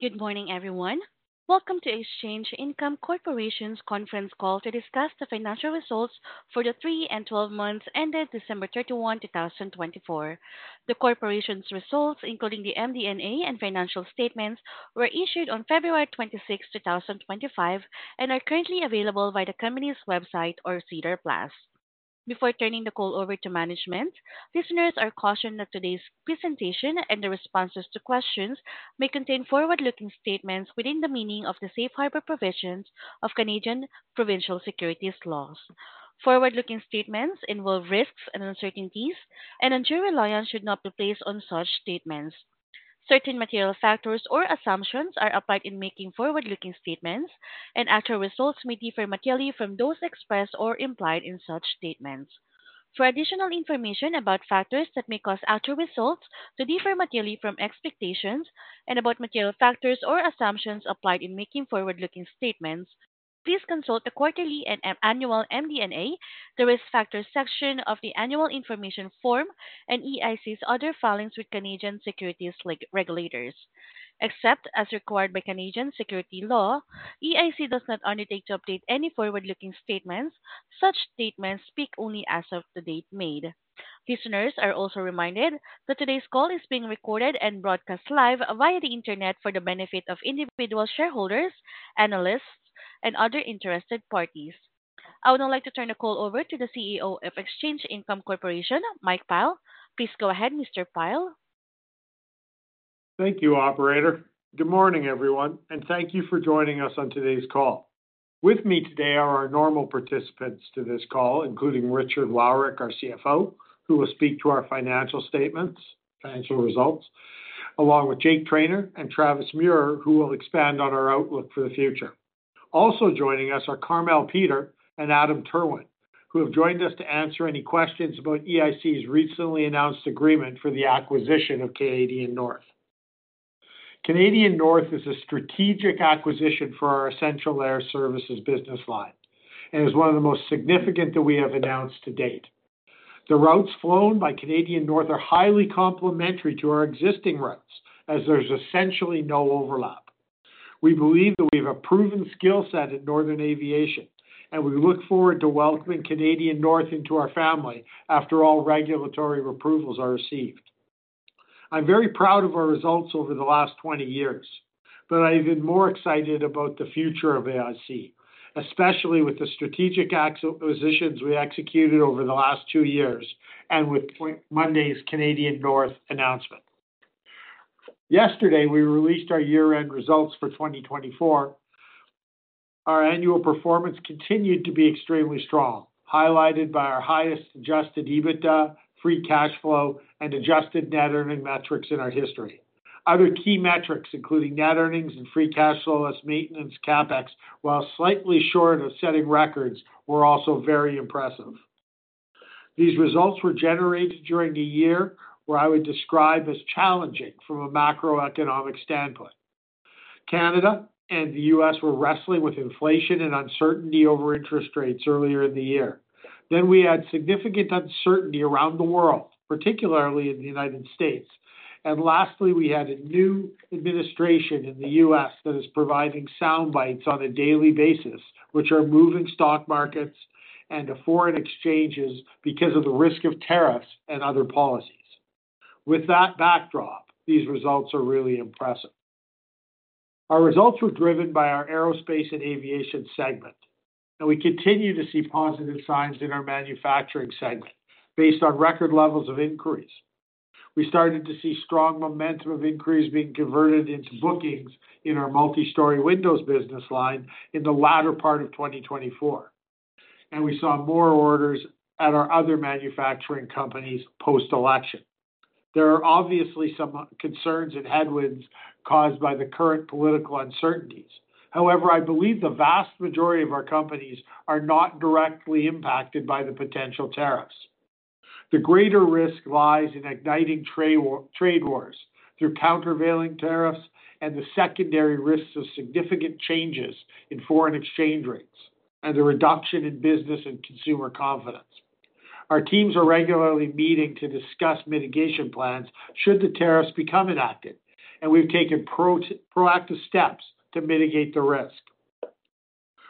Good morning, everyone. Welcome to Exchange Income Corporation's conference call to discuss the financial results for the three and 12 months ended December 31, 2024. The corporation's results, including the MD&A and financial statements, were issued on February 26, 2025, and are currently available via the company's website or SEDAR+. Before turning the call over to management, listeners are cautioned that today's presentation and the responses to questions may contain forward-looking statements within the meaning of the safe harbor provisions of Canadian Provincial Securities Laws. Forward-looking statements involve risks and uncertainties, and unsure reliance should not be placed on such statements. Certain material factors or assumptions are applied in making forward-looking statements, and actual results may differ materially from those expressed or implied in such statements. For additional information about factors that may cause actual results to differ materially from expectations, and about material factors or assumptions applied in making forward-looking statements, please consult the quarterly and annual MD&A, the risk factors section of the annual information form, and EIC's other filings with Canadian Securities Regulators. Except as required by Canadian Securities Law, EIC does not undertake to update any forward-looking statements. Such statements speak only as of the date made. Listeners are also reminded that today's call is being recorded and broadcast live via the internet for the benefit of individual shareholders, analysts, and other interested parties. I would now like to turn the call over to the CEO of Exchange Income Corporation, Mike Pyle. Please go ahead, Mr. Pyle. Thank you, Operator. Good morning, everyone, and thank you for joining us on today's call. With me today are our normal participants to this call, including Richard Wowryk, our CFO, who will speak to our financial statements, financial results, along with Jake Trainor and Travis Muhr, who will expand on our outlook for the future. Also joining us are Carmele Peter and Adam Terwin, who have joined us to answer any questions about EIC's recently announced agreement for the acquisition of Canadian North. Canadian North is a strategic acquisition for our Essential Air Services business line and is one of the most significant that we have announced to date. The routes flown by Canadian North are highly complementary to our existing routes, as there's essentially no overlap. We believe that we have a proven skill set at northern aviation, and we look forward to welcoming Canadian North into our family after all regulatory approvals are received. I'm very proud of our results over the last 20 years, but I've been more excited about the future of EIC, especially with the strategic acquisitions we executed over the last two years and with Monday's Canadian North announcement. Yesterday, we released our year-end results for 2024. Our annual performance continued to be extremely strong, highlighted by our highest adjusted EBITDA, free cash flow, and adjusted net earnings metrics in our history. Other key metrics, including net earnings and free cash flow less maintenance CapEx, while slightly short of setting records, were also very impressive. These results were generated during a year that I would describe as challenging from a macroeconomic standpoint. Canada and the U.S. Were wrestling with inflation and uncertainty over interest rates earlier in the year. Then we had significant uncertainty around the world, particularly in the United States. And lastly, we had a new administration in the U.S. that is providing sound bites on a daily basis, which are moving stock markets and foreign exchanges because of the risk of tariffs and other policies. With that backdrop, these results are really impressive. Our results were driven by our Aerospace & Aviation segment, and we continue to see positive signs in our Manufacturing segment based on record levels of increase. We started to see strong momentum of increase being converted into bookings in our multi-story windows business line in the latter part of 2024, and we saw more orders at our other manufacturing companies post-election. There are obviously some concerns and headwinds caused by the current political uncertainties. However, I believe the vast majority of our companies are not directly impacted by the potential tariffs. The greater risk lies in igniting trade wars through countervailing tariffs and the secondary risks of significant changes in foreign exchange rates and the reduction in business and consumer confidence. Our teams are regularly meeting to discuss mitigation plans should the tariffs become enacted, and we've taken proactive steps to mitigate the risk.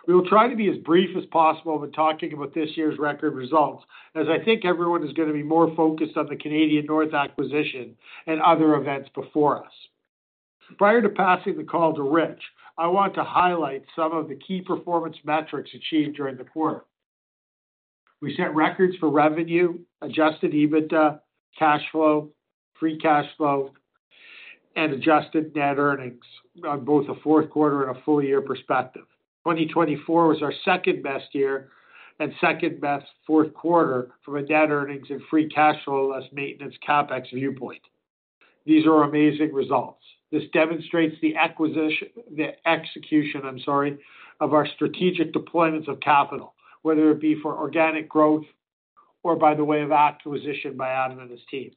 We will try to be as brief as possible when talking about this year's record results, as I think everyone is going to be more focused on the Canadian North acquisition and other events before us. Prior to passing the call to Rich, I want to highlight some of the key performance metrics achieved during the quarter. We set records for revenue, adjusted EBITDA, cash flow, free cash flow, and adjusted net earnings on both a fourth quarter and a full year perspective. 2024 was our second best year and second best fourth quarter from a net earnings and free cash flow less maintenance CapEx viewpoint. These are amazing results. This demonstrates the execution, I'm sorry, of our strategic deployments of capital, whether it be for organic growth or by the way of acquisition by Adam and his team.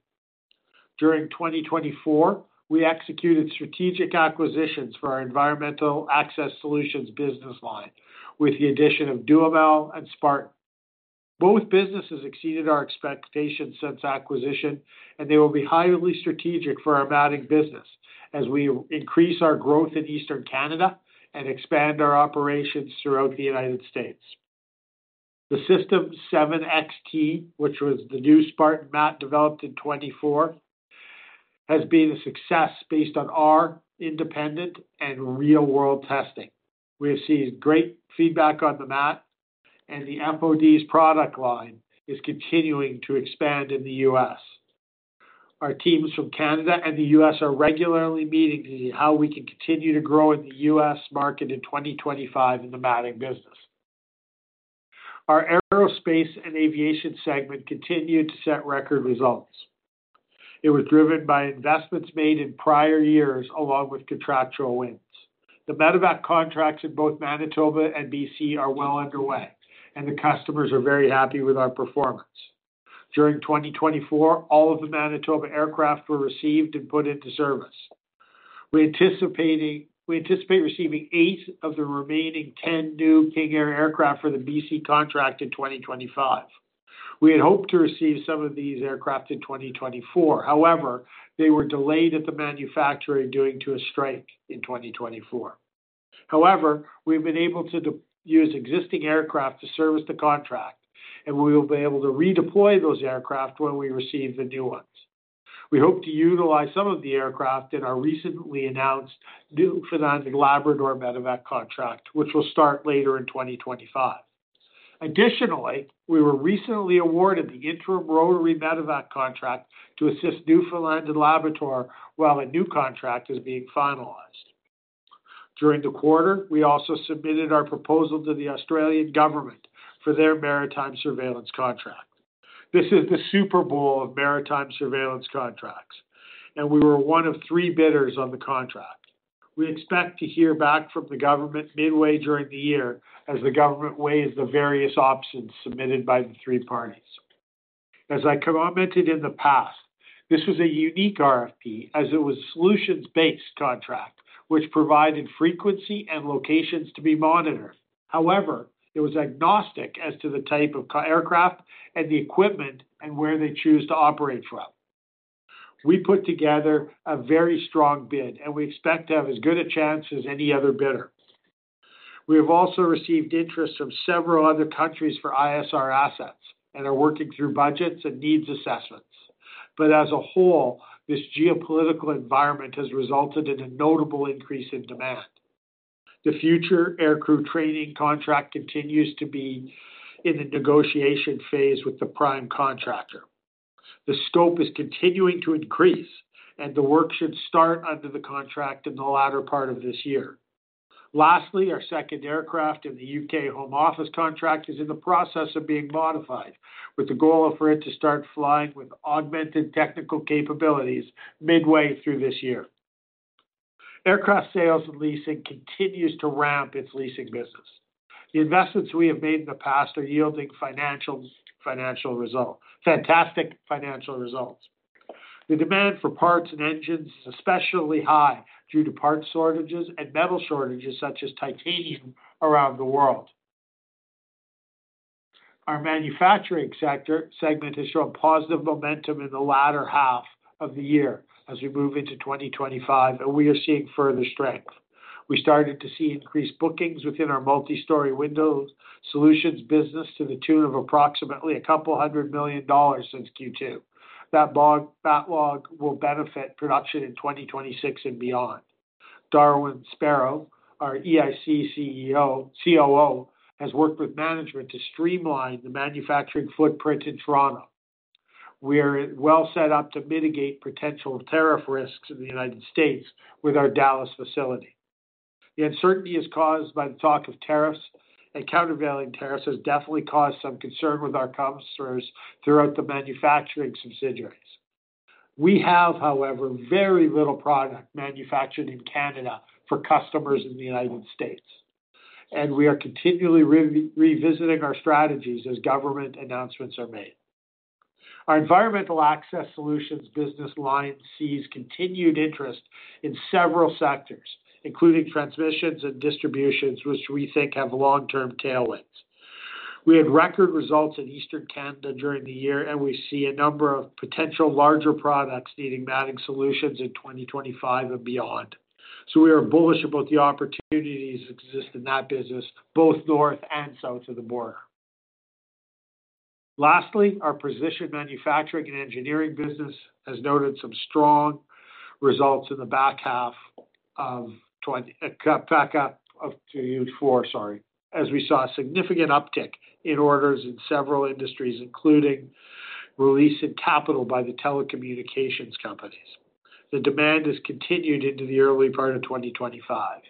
During 2024, we executed strategic acquisitions for our Environmental Access Solutions business line with the addition of Duhamel and Spartan. Both businesses exceeded our expectations since acquisition, and they will be highly strategic for our matting business as we increase our growth in Eastern Canada and expand our operations throughout the United States. The SYSTEM7 XT, which was the new Spartan mat developed in 2024, has been a success based on our independent and real-world testing. We have seen great feedback on the mat, and the FODS product line is continuing to expand in the U.S. Our teams from Canada and the U.S. are regularly meeting to see how we can continue to grow in the U.S. market in 2025 in the matting business. Our Aerospace & Aviation segment continued to set record results. It was driven by investments made in prior years along with contractual wins. The medevac contracts in both Manitoba and B.C. are well underway, and the customers are very happy with our performance. During 2024, all of the Manitoba aircraft were received and put into service. We anticipate receiving eight of the remaining 10 new King Air aircraft for the B.C. contract in 2025. We had hoped to receive some of these aircraft in 2024. However, they were delayed at the manufacturing due to a strike in 2024. However, we've been able to use existing aircraft to service the contract, and we will be able to redeploy those aircraft when we receive the new ones. We hope to utilize some of the aircraft in our recently announced Newfoundland and Labrador medevac contract, which will start later in 2025. Additionally, we were recently awarded the interim rotary medevac contract to assist Newfoundland and Labrador while a new contract is being finalized. During the quarter, we also submitted our proposal to the Australian government for their maritime surveillance contract. This is the Super Bowl of maritime surveillance contracts, and we were one of three bidders on the contract. We expect to hear back from the government midway during the year as the government weighs the various options submitted by the three parties. As I commented in the past, this was a unique RFP as it was a solutions-based contract, which provided frequency and locations to be monitored. However, it was agnostic as to the type of aircraft and the equipment and where they choose to operate from. We put together a very strong bid, and we expect to have as good a chance as any other bidder. We have also received interest from several other countries for ISR assets and are working through budgets and needs assessments. But as a whole, this geopolitical environment has resulted in a notable increase in demand. The Future Aircrew Training contract continues to be in the negotiation phase with the prime contractor. The scope is continuing to increase, and the work should start under the contract in the latter part of this year. Lastly, our second aircraft and the U.K. Home Office contract is in the process of being modified with the goal for it to start flying with augmented technical capabilities midway through this year. Aircraft Sales & Leasing continues to ramp its leasing business. The investments we have made in the past are yielding fantastic financial results. The demand for parts and engines is especially high due to parts shortages and metal shortages such as titanium around the world. Our Manufacturing sector segment has shown positive momentum in the latter half of the year as we move into 2025, and we are seeing further strength. We started to see increased bookings within our Multi-Story Window Solutions business to the tune of approximately 200 million since Q2. That log will benefit production in 2026 and beyond. Darwin Sparrow, our EIC COO, has worked with management to streamline the manufacturing footprint in Toronto. We are well set up to mitigate potential tariff risks in the United States with our Dallas facility. The uncertainty is caused by the talk of tariffs, and countervailing tariffs has definitely caused some concern with our customers throughout the Manufacturing subsidiaries. We have, however, very little product manufactured in Canada for customers in the United States, and we are continually revisiting our strategies as government announcements are made. Our Environmental Access Solutions business line sees continued interest in several sectors, including transmissions and distributions, which we think have long-term tailwinds. We had record results in Eastern Canada during the year, and we see a number of potential larger products needing mounting solutions in 2025 and beyond. So we are bullish on both the opportunities that exist in that business, both north and south of the border. Lastly, our Precision Manufacturing & Engineering business has noted some strong results in the back half of Q4, sorry, as we saw a significant uptick in orders in several industries, including releasing capital by the telecommunications companies. The demand has continued into the early part of 2025.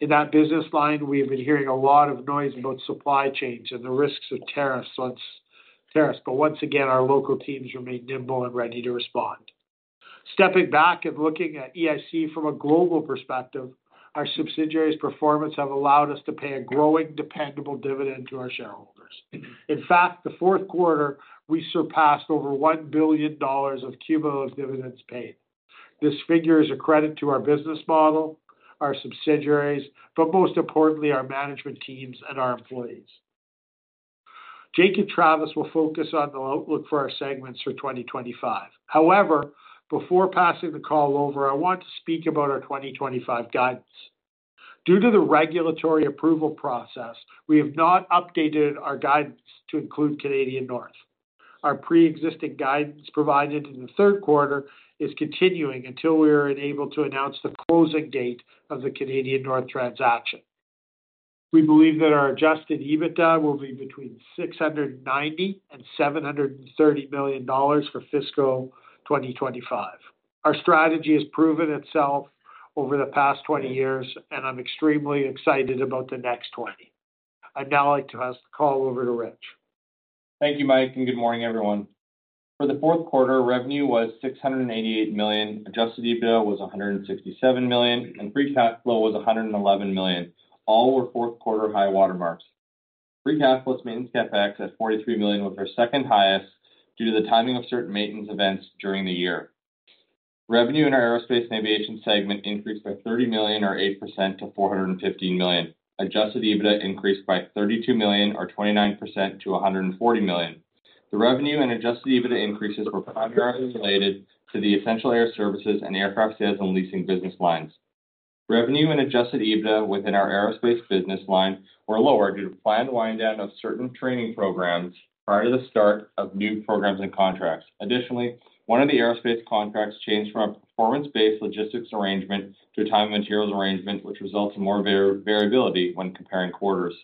In that business line, we have been hearing a lot of noise about supply chains and the risks of tariffs, but once again, our local teams remain nimble and ready to respond. Stepping back and looking at EIC from a global perspective, our subsidiaries' performance has allowed us to pay a growing dependable dividend to our shareholders. In fact, the fourth quarter, we surpassed over 1 billion dollars of cumulative dividends paid. This figure is a credit to our business model, our subsidiaries, but most importantly, our management teams and our employees. Jake and Travis will focus on the outlook for our segments for 2025. However, before passing the call over, I want to speak about our 2025 guidance. Due to the regulatory approval process, we have not updated our guidance to include Canadian North. Our pre-existing guidance provided in the third quarter is continuing until we are able to announce the closing date of the Canadian North transaction. We believe that our adjusted EBITDA will be between 690 million and 730 million dollars for fiscal 2025. Our strategy has proven itself over the past 20 years, and I'm extremely excited about the next 20. I'd now like to pass the call over to Rich. Thank you, Mike, and good morning, everyone. For the fourth quarter, revenue was 688 million, adjusted EBITDA was 167 million, and free cash flow was 111 million. All were fourth quarter high watermarks. Free cash plus maintenance CapEx at 43 million was our second highest due to the timing of certain maintenance events during the year. Revenue in our Aerospace & Aviation segment increased by 30 million, or 8%, to 415 million. Adjusted EBITDA increased by 32 million, or 29%, to 140 million. The revenue and adjusted EBITDA increases were primarily related to the Essential Air Services and Aircraft Sales & Leasing business lines. Revenue and adjusted EBITDA within our Aerospace business line were lower due to planned wind down of certain training programs prior to the start of new programs and contracts. Additionally, one of the Aerospace contracts changed from a performance-based logistics arrangement to a time and materials arrangement, which results in more variability when comparing quarters.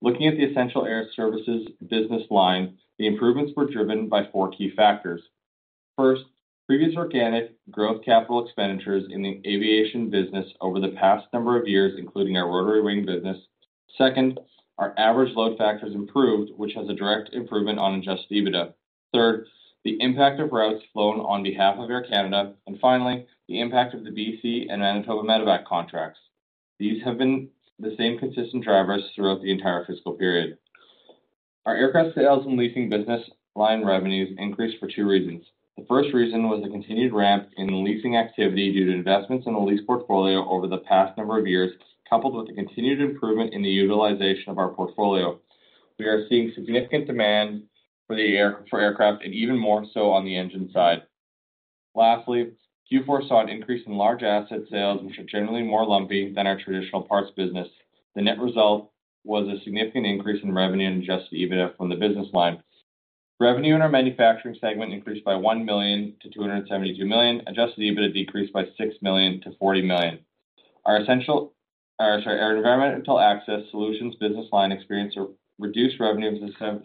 Looking at the Essential Air Services business line, the improvements were driven by four key factors. First, previous organic growth capital expenditures in the aviation business over the past number of years, including our rotary wing business. Second, our average load factors improved, which has a direct improvement on adjusted EBITDA. Third, the impact of routes flown on behalf of Air Canada. And finally, the impact of the B.C. and Manitoba medevac contracts. These have been the same consistent drivers throughout the entire fiscal period. Our Aircraft Sales & Leasing business line revenues increased for two reasons. The first reason was the continued ramp in leasing activity due to investments in the lease portfolio over the past number of years, coupled with the continued improvement in the utilization of our portfolio. We are seeing significant demand for aircraft and even more so on the engine side. Lastly, Q4 saw an increase in large asset sales, which are generally more lumpy than our traditional parts business. The net result was a significant increase in revenue and adjusted EBITDA from the business line. Revenue in our Manufacturing segment increased by 1 million to 272 million. Adjusted EBITDA decreased by 6 million to 40 million. Our Environmental Access Solutions business line experienced a reduced revenue of 7%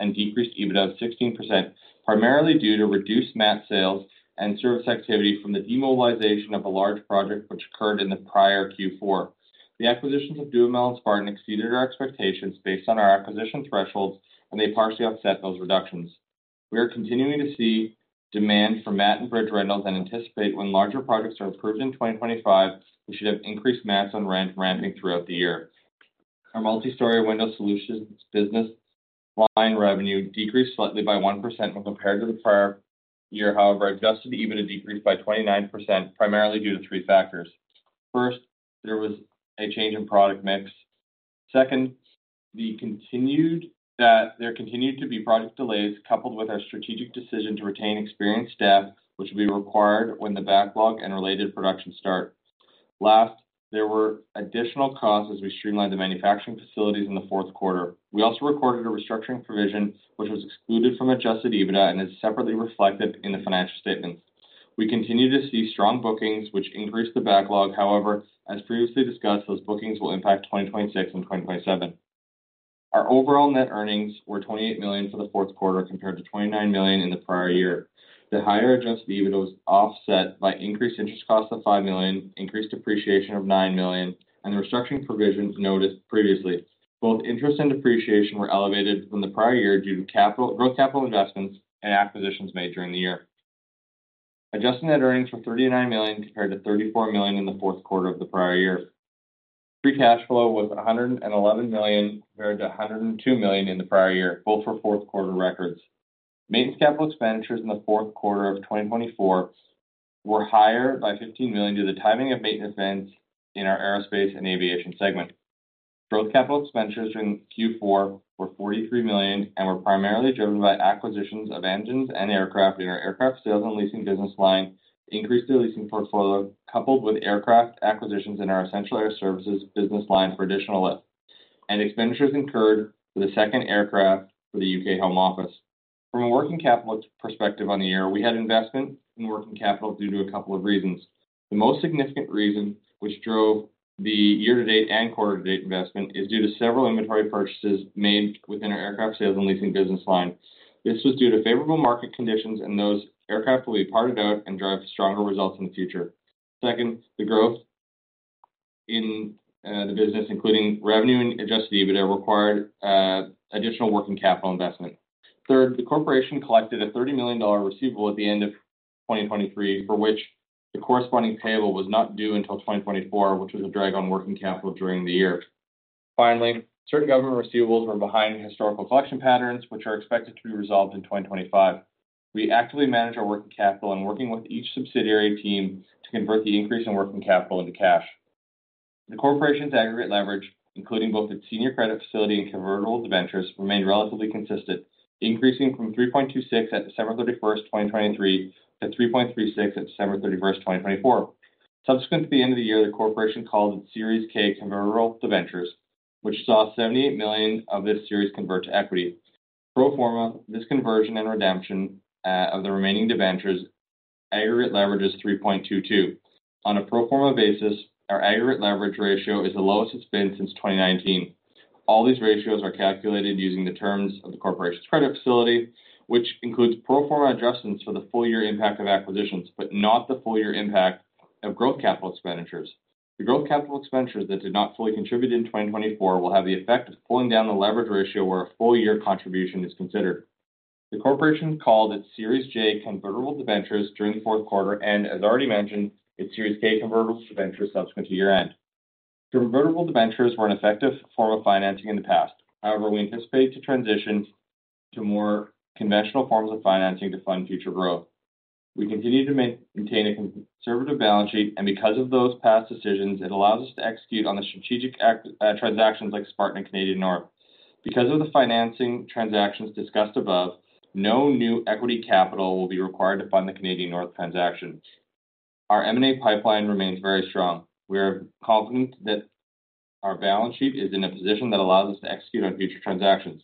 and decreased EBITDA of 16%, primarily due to reduced mat sales and service activity from the demobilization of a large project which occurred in the prior Q4. The acquisitions of Duhamel and Spartan exceeded our expectations based on our acquisition thresholds, and they partially offset those reductions. We are continuing to see demand for mat and bridge rentals and anticipate when larger projects are approved in 2025, we should have increased mats on rent ramping throughout the year. Our Multi-Story Window Solutions business line revenue decreased slightly by 1% when compared to the prior year. However, adjusted EBITDA decreased by 29%, primarily due to three factors. First, there was a change in product mix. Second, there continued to be project delays coupled with our strategic decision to retain experienced staff, which will be required when the backlog and related production start. Last, there were additional costs as we streamlined the manufacturing facilities in the fourth quarter. We also recorded a restructuring provision, which was excluded from adjusted EBITDA and is separately reflected in the financial statements. We continue to see strong bookings, which increased the backlog. However, as previously discussed, those bookings will impact 2026 and 2027. Our overall net earnings were 28 million for the fourth quarter compared to 29 million in the prior year. The higher adjusted EBITDA was offset by increased interest costs of 5 million, increased depreciation of 9 million, and the restructuring provision noted previously. Both interest and depreciation were elevated from the prior year due to growth capital investments and acquisitions made during the year. Adjusted net earnings were 39 million compared to 34 million in the fourth quarter of the prior year. Free cash flow was 111 million compared to 102 million in the prior year, both for fourth quarter records. Maintenance capital expenditures in the fourth quarter of 2024 were higher by 15 million due to the timing of maintenance events in our Aerospace & Aviation segment. Growth capital expenditures during Q4 were CAD 43 million and were primarily driven by acquisitions of engines and aircraft in our Aircraft Sales & Leasing business line, increased the leasing portfolio coupled with aircraft acquisitions in our Essential Air Services business line for additional lift, and expenditures incurred for the second aircraft for the U.K. Home Office. From a working capital perspective on the year, we had investment in working capital due to a couple of reasons. The most significant reason which drove the year-to-date and quarter-to-date investment is due to several inventory purchases made within our Aircraft Sales & Leasing business line. This was due to favorable market conditions and those aircraft will be parted out and drive stronger results in the future. Second, the growth in the business, including revenue and adjusted EBITDA, required additional working capital investment. Third, the corporation collected a 30 million dollar receivable at the end of 2023 for which the corresponding payable was not due until 2024, which was a drag on working capital during the year. Finally, certain government receivables were behind historical collection patterns, which are expected to be resolved in 2025. We actively manage our working capital and are working with each subsidiary team to convert the increase in working capital into cash. The corporation's aggregate leverage, including both its senior credit facility and convertible debentures, remained relatively consistent, increasing from 3.26 at December 31, 2023, to 3.36 at December 31, 2024. Subsequent to the end of the year, the corporation called its Series K convertible debentures, which saw 78 million of this series convert to equity. Pro forma, this conversion and redemption of the remaining debentures aggregate leverage is 3.22. On a pro forma basis, our aggregate leverage ratio is the lowest it's been since 2019. All these ratios are calculated using the terms of the corporation's credit facility, which includes pro forma adjustments for the full year impact of acquisitions, but not the full year impact of growth capital expenditures. The growth capital expenditures that did not fully contribute in 2024 will have the effect of pulling down the leverage ratio where a full year contribution is considered. The corporation called its Series J convertible debentures during the fourth quarter and, as already mentioned, its Series K convertible debentures subsequent to year-end. Convertible debentures were an effective form of financing in the past. However, we anticipate to transition to more conventional forms of financing to fund future growth. We continue to maintain a conservative balance sheet, and because of those past decisions, it allows us to execute on the strategic transactions like Spartan and Canadian North. Because of the financing transactions discussed above, no new equity capital will be required to fund the Canadian North transaction. Our M&A pipeline remains very strong. We are confident that our balance sheet is in a position that allows us to execute on future transactions.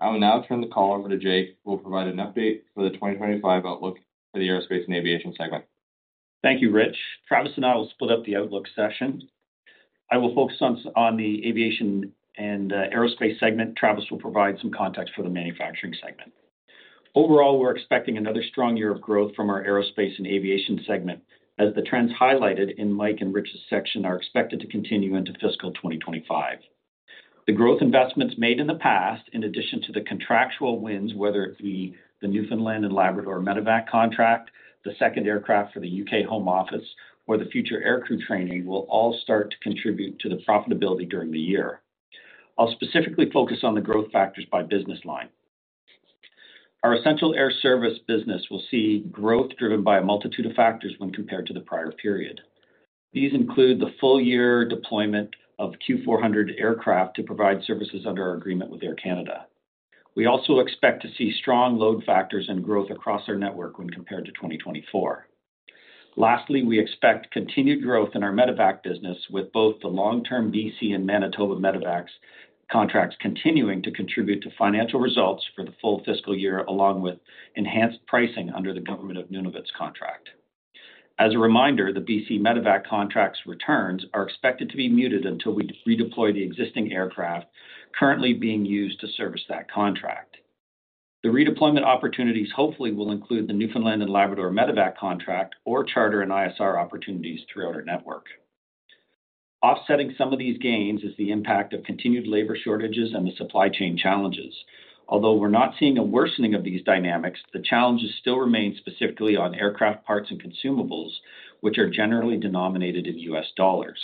I will now turn the call over to Jake, who will provide an update for the 2025 outlook for the Aerospace & Aviation segment. Thank you, Rich. Travis and I will split up the outlook session. I will focus on the aviation and Aerospace segment. Travis will provide some context for the Manufacturing segment. Overall, we're expecting another strong year of growth from our Aerospace & Aviation segment, as the trends highlighted in Mike and Rich's section are expected to continue into fiscal 2025. The growth investments made in the past, in addition to the contractual wins, whether it be the Newfoundland and Labrador medevac contract, the second aircraft for the U.K. Home Office, or the Future Aircrew Training, will all start to contribute to the profitability during the year. I'll specifically focus on the growth factors by business line. Our essential air service business will see growth driven by a multitude of factors when compared to the prior period. These include the full year deployment of Q400 aircraft to provide services under our agreement with Air Canada. We also expect to see strong load factors and growth across our network when compared to 2024. Lastly, we expect continued growth in our medevac business, with both the long-term B.C. and Manitoba medevacs contracts continuing to contribute to financial results for the full fiscal year, along with enhanced pricing under the Government of Nunavut's contract. As a reminder, the B.C. medevac contract's returns are expected to be muted until we redeploy the existing aircraft currently being used to service that contract. The redeployment opportunities hopefully will include the Newfoundland and Labrador medevac contract or charter and ISR opportunities throughout our network. Offsetting some of these gains is the impact of continued labor shortages and the supply chain challenges. Although we're not seeing a worsening of these dynamics, the challenges still remain specifically on aircraft parts and consumables, which are generally denominated in U.S. dollars.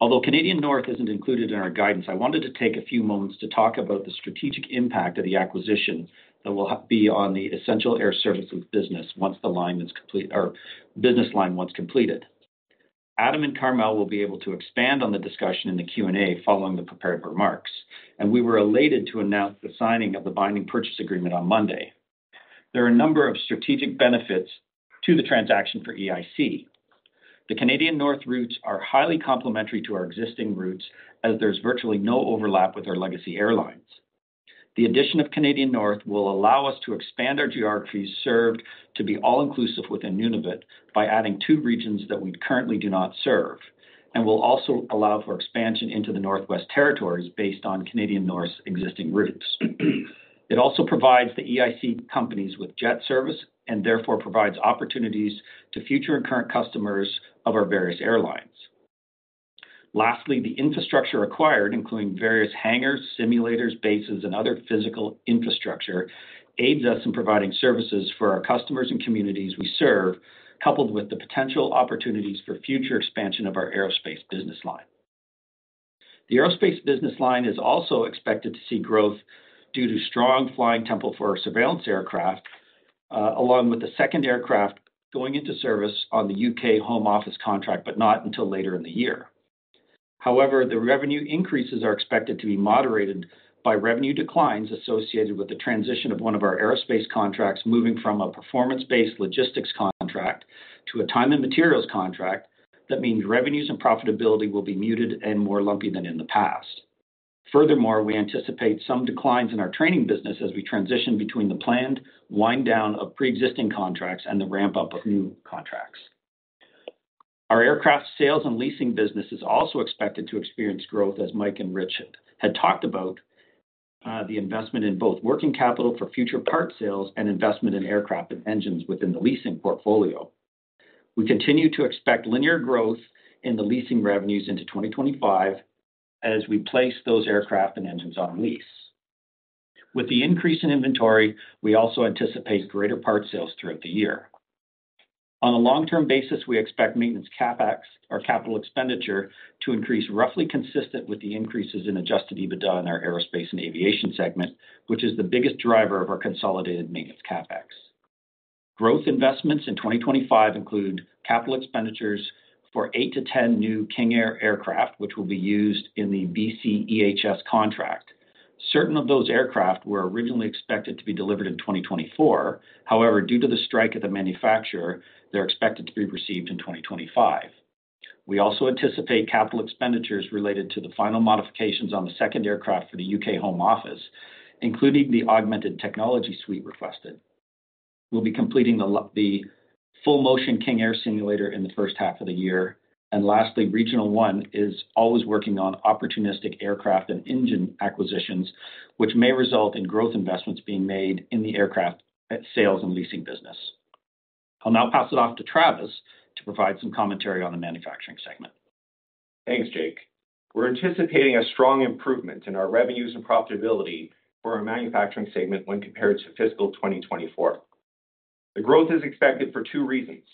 Although Canadian North isn't included in our guidance, I wanted to take a few moments to talk about the strategic impact of the acquisition that will be on the Essential Air Services business once the business line is completed. Adam and Carmele will be able to expand on the discussion in the Q&A following the prepared remarks. And we were elated to announce the signing of the binding purchase agreement on Monday. There are a number of strategic benefits to the transaction for EIC. The Canadian North routes are highly complementary to our existing routes, as there's virtually no overlap with our legacy airlines. The addition of Canadian North will allow us to expand our geographies served to be all-inclusive within Nunavut by adding two regions that we currently do not serve, and will also allow for expansion into the Northwest Territories based on Canadian North's existing routes. It also provides the EIC companies with jet service and therefore provides opportunities to future and current customers of our various airlines. Lastly, the infrastructure acquired, including various hangars, simulators, bases, and other physical infrastructure, aids us in providing services for our customers and communities we serve, coupled with the potential opportunities for future expansion of our Aerospace business line. The Aerospace business line is also expected to see growth due to strong flying tempo for our surveillance aircraft, along with the second aircraft going into service on the U.K. Home Office contract, but not until later in the year. However, the revenue increases are expected to be moderated by revenue declines associated with the transition of one of our Aerospace contracts moving from a performance-based logistics contract to a time and materials contract. That means revenues and profitability will be muted and more lumpy than in the past. Furthermore, we anticipate some declines in our training business as we transition between the planned wind down of pre-existing contracts and the ramp up of new contracts. Our Aircraft Sales & Leasing business is also expected to experience growth, as Mike and Rich had talked about the investment in both working capital for future part sales and investment in aircraft and engines within the leasing portfolio. We continue to expect linear growth in the leasing revenues into 2025 as we place those aircraft and engines on lease. With the increase in inventory, we also anticipate greater part sales throughout the year. On a long-term basis, we expect maintenance CapEx or capital expenditure to increase roughly consistent with the increases in adjusted EBITDA in our Aerospace & Aviation segment, which is the biggest driver of our consolidated maintenance CapEx. Growth investments in 2025 include capital expenditures for eight to 10 new King Air aircraft, which will be used in the BCEHS contract. Certain of those aircraft were originally expected to be delivered in 2024. However, due to the strike at the manufacturer, they're expected to be received in 2025. We also anticipate capital expenditures related to the final modifications on the second aircraft for the U.K. Home Office, including the augmented technology suite requested. We'll be completing the full-motion King Air simulator in the first half of the year. And lastly, Regional One is always working on opportunistic aircraft and engine acquisitions, which may result in growth investments being made in the Aircraft Sales & Leasing business. I'll now pass it off to Travis to provide some commentary on the manufacturing segment. Thanks, Jake. We're anticipating a strong improvement in our revenues and profitability for our manufacturing segment when compared to fiscal 2024. The growth is expected for two reasons.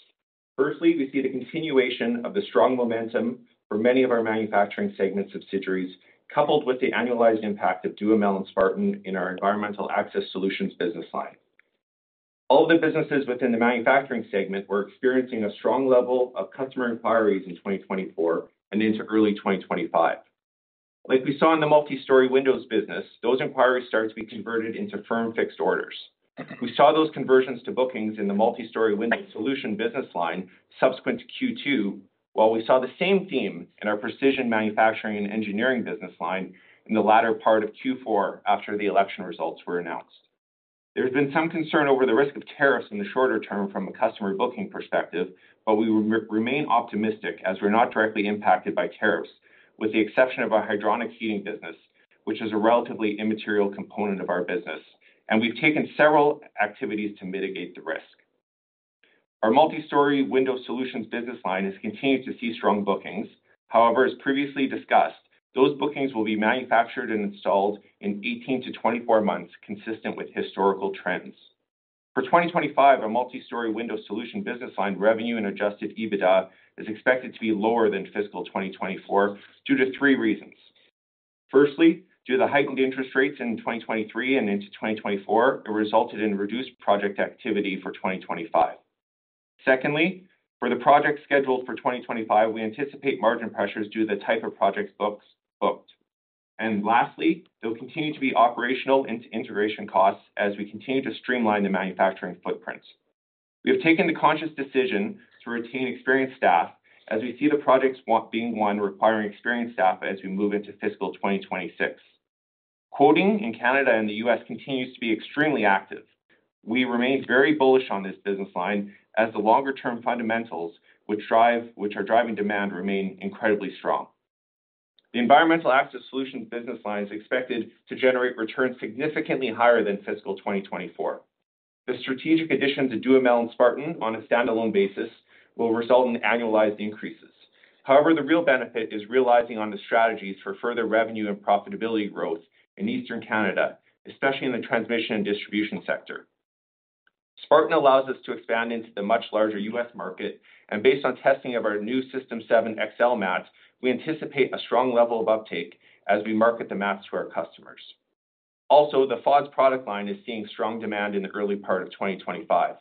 Firstly, we see the continuation of the strong momentum for many of our manufacturing segment subsidiaries, coupled with the annualized impact of Duhamel and Spartan in our Environmental Access Solutions business line. All of the businesses within the manufacturing segment were experiencing a strong level of customer inquiries in 2024 and into early 2025. Like we saw in the multi-story windows business, those inquiries start to be converted into firm fixed orders. We saw those conversions to bookings in the multi-story window solution business line subsequent to Q2, while we saw the same theme in our Precision Manufacturing & Engineering business line in the latter part of Q4 after the election results were announced. There's been some concern over the risk of tariffs in the shorter term from a customer booking perspective, but we remain optimistic as we're not directly impacted by tariffs, with the exception of our hydronic heating business, which is a relatively immaterial component of our business. And we've taken several activities to mitigate the risk. Our Multi-Story Window Solutions business line has continued to see strong bookings. However, as previously discussed, those bookings will be manufactured and installed in 18-24 months, consistent with historical trends. For 2025, our multistory window solution business line revenue and adjusted EBITDA is expected to be lower than fiscal 2024 due to three reasons. Firstly, due to the heightened interest rates in 2023 and into 2024, it resulted in reduced project activity for 2025. Secondly, for the projects scheduled for 2025, we anticipate margin pressures due to the type of projects booked. And lastly, they'll continue to be operational and integration costs as we continue to streamline the manufacturing footprint. We have taken the conscious decision to retain experienced staff as we see the projects being ones requiring experienced staff as we move into fiscal 2026. Quoting in Canada and the U.S. continues to be extremely active. We remain very bullish on this business line as the longer-term fundamentals, which are driving demand, remain incredibly strong. The Environmental Access Solutions business line is expected to generate returns significantly higher than fiscal 2024. The strategic addition to Duhamel and Spartan on a standalone basis will result in annualized increases. However, the real benefit is realizing on the strategies for further revenue and profitability growth in Eastern Canada, especially in the transmission and distribution sector. Spartan allows us to expand into the much larger U.S. market, and based on testing of our new SYSTEM7 XT mats, we anticipate a strong level of uptake as we market the mats to our customers. Also, the FODS product line is seeing strong demand in the early part of 2025.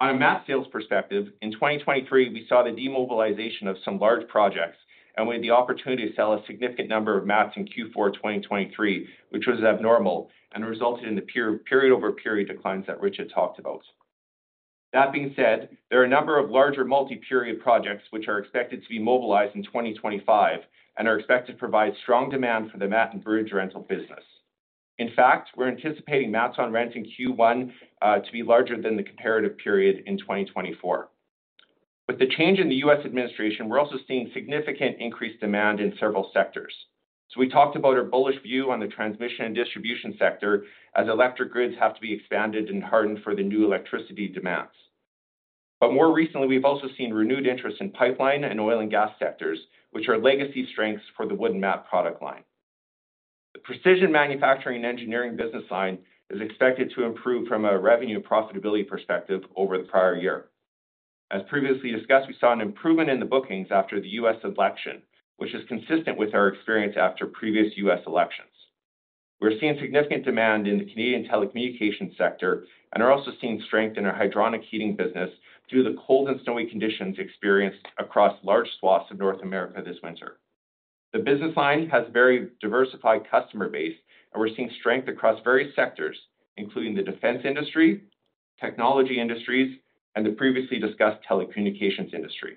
On a mat sales perspective, in 2023, we saw the demobilization of some large projects and we had the opportunity to sell a significant number of mats in Q4 2023, which was abnormal and resulted in the period-over-period declines that Rich had talked about. That being said, there are a number of larger multi-year projects which are expected to be mobilized in 2025 and are expected to provide strong demand for the mat and bridge rental business. In fact, we're anticipating mats on rent in Q1 to be larger than the comparative period in 2024. With the change in the U.S. administration, we're also seeing significant increased demand in several sectors, so we talked about our bullish view on the transmission and distribution sector as electric grids have to be expanded and hardened for the new electricity demands. But more recently, we've also seen renewed interest in pipeline and oil and gas sectors, which are legacy strengths for the wooden mat product line. The Precision Manufacturing & Engineering business line is expected to improve from a revenue profitability perspective over the prior year. As previously discussed, we saw an improvement in the bookings after the U.S. election, which is consistent with our experience after previous U.S. elections. We're seeing significant demand in the Canadian telecommunications sector and are also seeing strength in our hydronic heating business due to the cold and snowy conditions experienced across large swaths of North America this winter. The business line has a very diversified customer base, and we're seeing strength across various sectors, including the defense industry, technology industries, and the previously discussed telecommunications industry.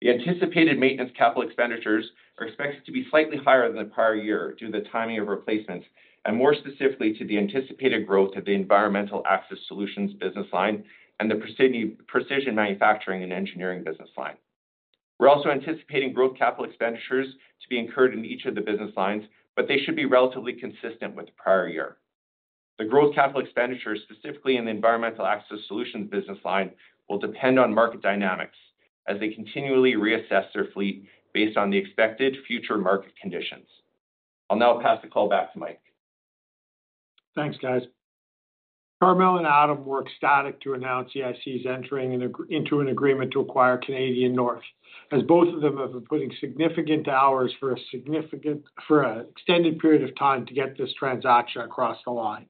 The anticipated maintenance capital expenditures are expected to be slightly higher than the prior year due to the timing of replacements and more specifically to the anticipated growth of the Environmental Access Solutions business line and the Precision Manufacturing & Engineering business line. We're also anticipating growth capital expenditures to be incurred in each of the business lines, but they should be relatively consistent with the prior year. The growth capital expenditure, specifically in the Environmental Access Solutions business line, will depend on market dynamics as they continually reassess their fleet based on the expected future market conditions. I'll now pass the call back to Mike. Thanks, guys. Carmele and Adam were ecstatic to announce EIC's entering into an agreement to acquire Canadian North, as both of them have been putting significant hours for an extended period of time to get this transaction across the line.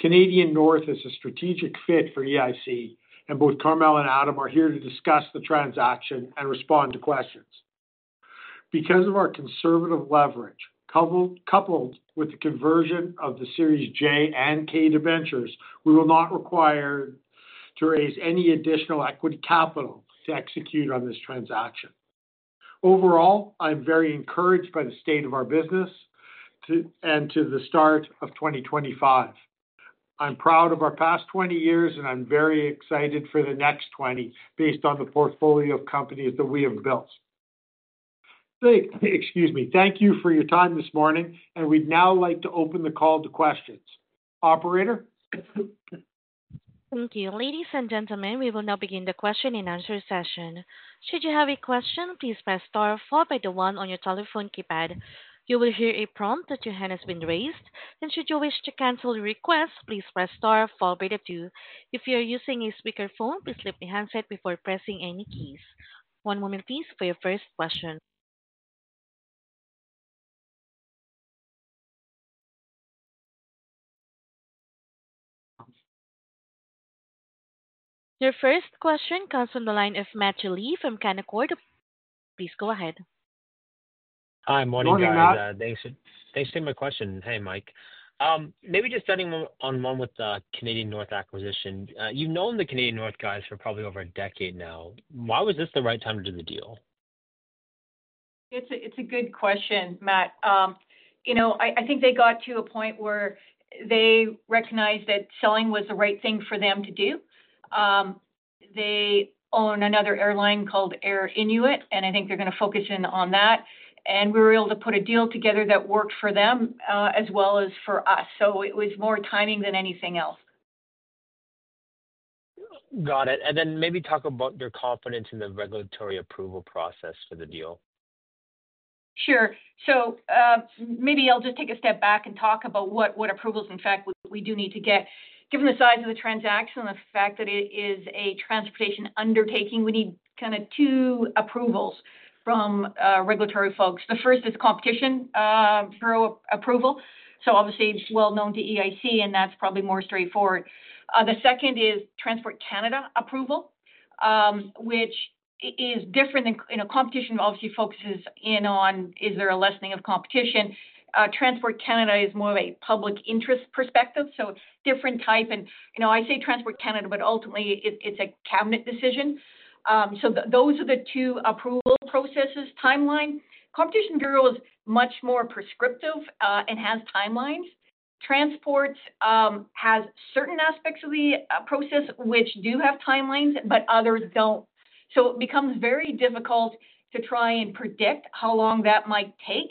Canadian North is a strategic fit for EIC, and both Carmele and Adam are here to discuss the transaction and respond to questions. Because of our conservative leverage, coupled with the conversion of the Series J and K Convertible Debentures, we will not require to raise any additional equity capital to execute on this transaction. Overall, I'm very encouraged by the state of our business and to the start of 2025. I'm proud of our past 20 years, and I'm very excited for the next 20 based on the portfolio of companies that we have built. Excuse me. Thank you for your time this morning, and we'd now like to open the call to questions. Operator? Thank you. Ladies and gentlemen, we will now begin the question and answer session. Should you have a question, please press star, then one on your telephone keypad. You will hear a prompt that your hand has been raised, and should you wish to cancel your request, please press star followed by the two. If you are using a speakerphone, please lift the handset before pressing any keys. One moment, please, for your first question. Your first question comes from the line of Matthew Lee from Canaccord. Please go ahead. Hi, morning, guys. Thanks for my question. Hey, Mike. Maybe just starting on one with the Canadian North acquisition. You've known the Canadian North guys for probably over a decade now. Why was this the right time to do the deal? It's a good question, Matt. You know, I think they got to a point where they recognized that selling was the right thing for them to do. They own another airline called Air Inuit, and I think they're going to focus in on that. And we were able to put a deal together that worked for them as well as for us. So it was more timing than anything else. Got it. And then maybe talk about your confidence in the regulatory approval process for the deal. Sure. So maybe I'll just take a step back and talk about what approvals, in fact, we do need to get. Given the size of the transaction and the fact that it is a transportation undertaking, we need kind of two approvals from regulatory folks. The first is Competition Bureau approval. So obviously, it's well known to EIC, and that's probably more straightforward. The second is Transport Canada approval, which is different than competition obviously focuses in on, is there a lessening of competition. Transport Canada is more of a public interest perspective. So different type. And I say Transport Canada, but ultimately, it's a cabinet decision. So, those are the two approval processes timelines. Competition Bureau is much more prescriptive and has timelines. Transport Canada has certain aspects of the process which do have timelines, but others don't. So it becomes very difficult to try and predict how long that might take.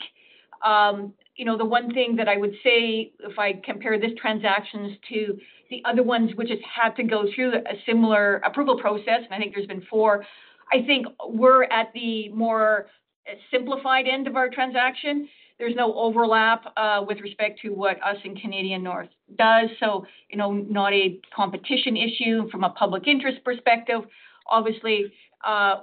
The one thing that I would say, if I compare this transaction to the other ones which have had to go through a similar approval process, and I think there's been four, I think we're at the more simplified end of our transaction. There's no overlap with respect to what us and Canadian North does. So not a competition issue from a public interest perspective. Obviously,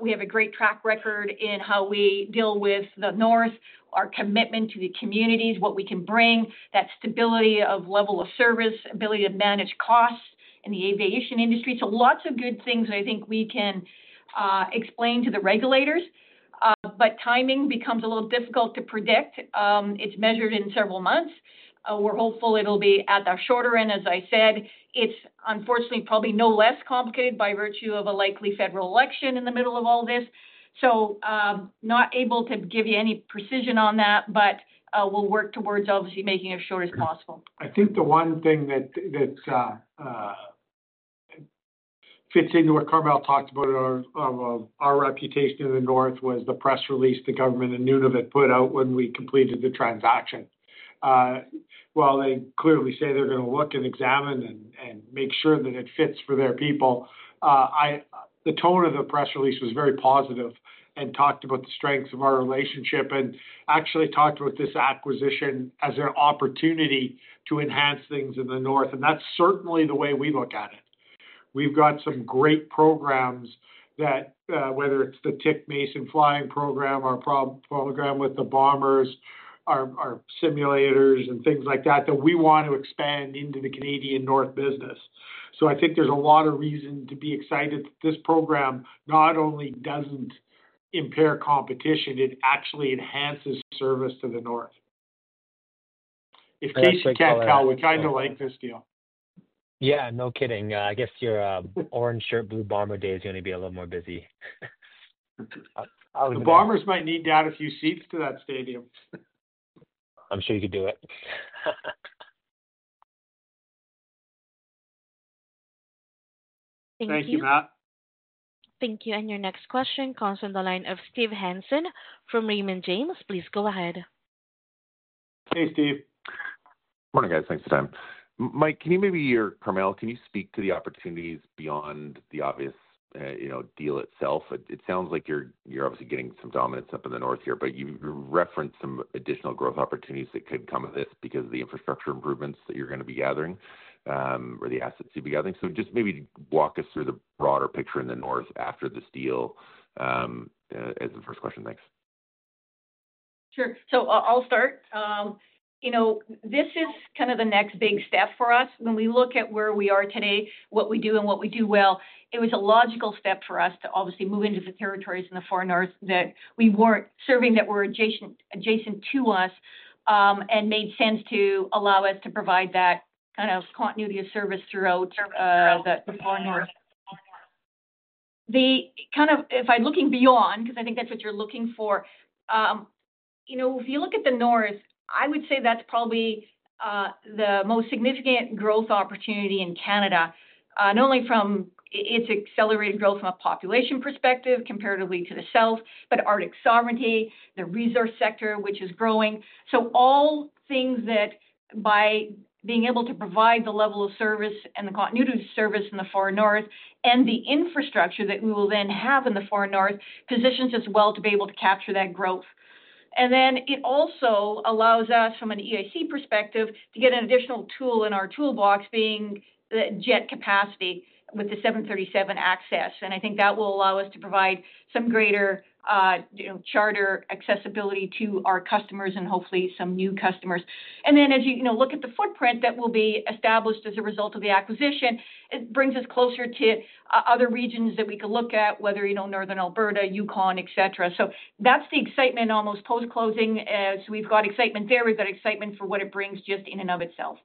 we have a great track record in how we deal with the North, our commitment to the communities, what we can bring, that stability of level of service, ability to manage costs in the aviation industry. So lots of good things that I think we can explain to the regulators. But timing becomes a little difficult to predict. It's measured in several months. We're hopeful it'll be at the shorter end. As I said, it's unfortunately probably no less complicated by virtue of a likely federal election in the middle of all this. So not able to give you any precision on that, but we'll work towards obviously making it as short as possible. I think the one thing that fits into what Carmele talked about of our reputation in the North was the press release the government in Nunavut put out when we completed the transaction. While they clearly say they're going to look and examine and make sure that it fits for their people, the tone of the press release was very positive and talked about the strengths of our relationship and actually talked about this acquisition as an opportunity to enhance things in the North. And that's certainly the way we look at it. We've got some great programs that, whether it's the Atik Mason flying program, our program with the Bombers, our simulators, and things like that, that we want to expand into the Canadian North business. So I think there's a lot of reason to be excited that this program not only doesn't impair competition, it actually enhances service to the North. If case you can't tell, we kind of like this deal. Yeah, no kidding. I guess your Orange Shirt Blue Bomber Day is going to be a little more busy. The Bombers might need to add a few seats to that stadium. I'm sure you could do it. Thank you, Matt. Thank you. And your next question comes from the line of Steve Hansen from Raymond James. Please go ahead. Hey, Steve. Morning, guys. Thanks for the time. Mike, can you maybe hear Carmele? Can you speak to the opportunities beyond the obvious deal itself? It sounds like you're obviously getting some dominance up in the North here, but you referenced some additional growth opportunities that could come of this because of the infrastructure improvements that you're going to be gathering or the assets you'll be gathering. So just maybe walk us through the broader picture in the North after this deal as the first question. Thanks. Sure. So I'll start. This is kind of the next big step for us. When we look at where we are today, what we do and what we do well, it was a logical step for us to obviously move into the territories in the Far North that we weren't serving that were adjacent to us and made sense to allow us to provide that kind of continuity of service throughout the Far North. The kind of if I'm looking beyond, because I think that's what you're looking for, if you look at the North, I would say that's probably the most significant growth opportunity in Canada, not only from its accelerated growth from a population perspective comparatively to the South, but Arctic sovereignty, the resource sector, which is growing. So all things that by being able to provide the level of service and the continuity of service in the Far North and the infrastructure that we will then have in the Far North positions us well to be able to capture that growth. And then it also allows us, from an EIC perspective, to get an additional tool in our toolbox being the jet capacity with the 737 access. And I think that will allow us to provide some greater charter accessibility to our customers and hopefully some new customers. And then as you look at the footprint that will be established as a result of the acquisition, it brings us closer to other regions that we can look at, whether Northern Alberta, Yukon, etc. So that's the excitement almost post-closing. So we've got excitement there. We've got excitement for what it brings just in and of itself.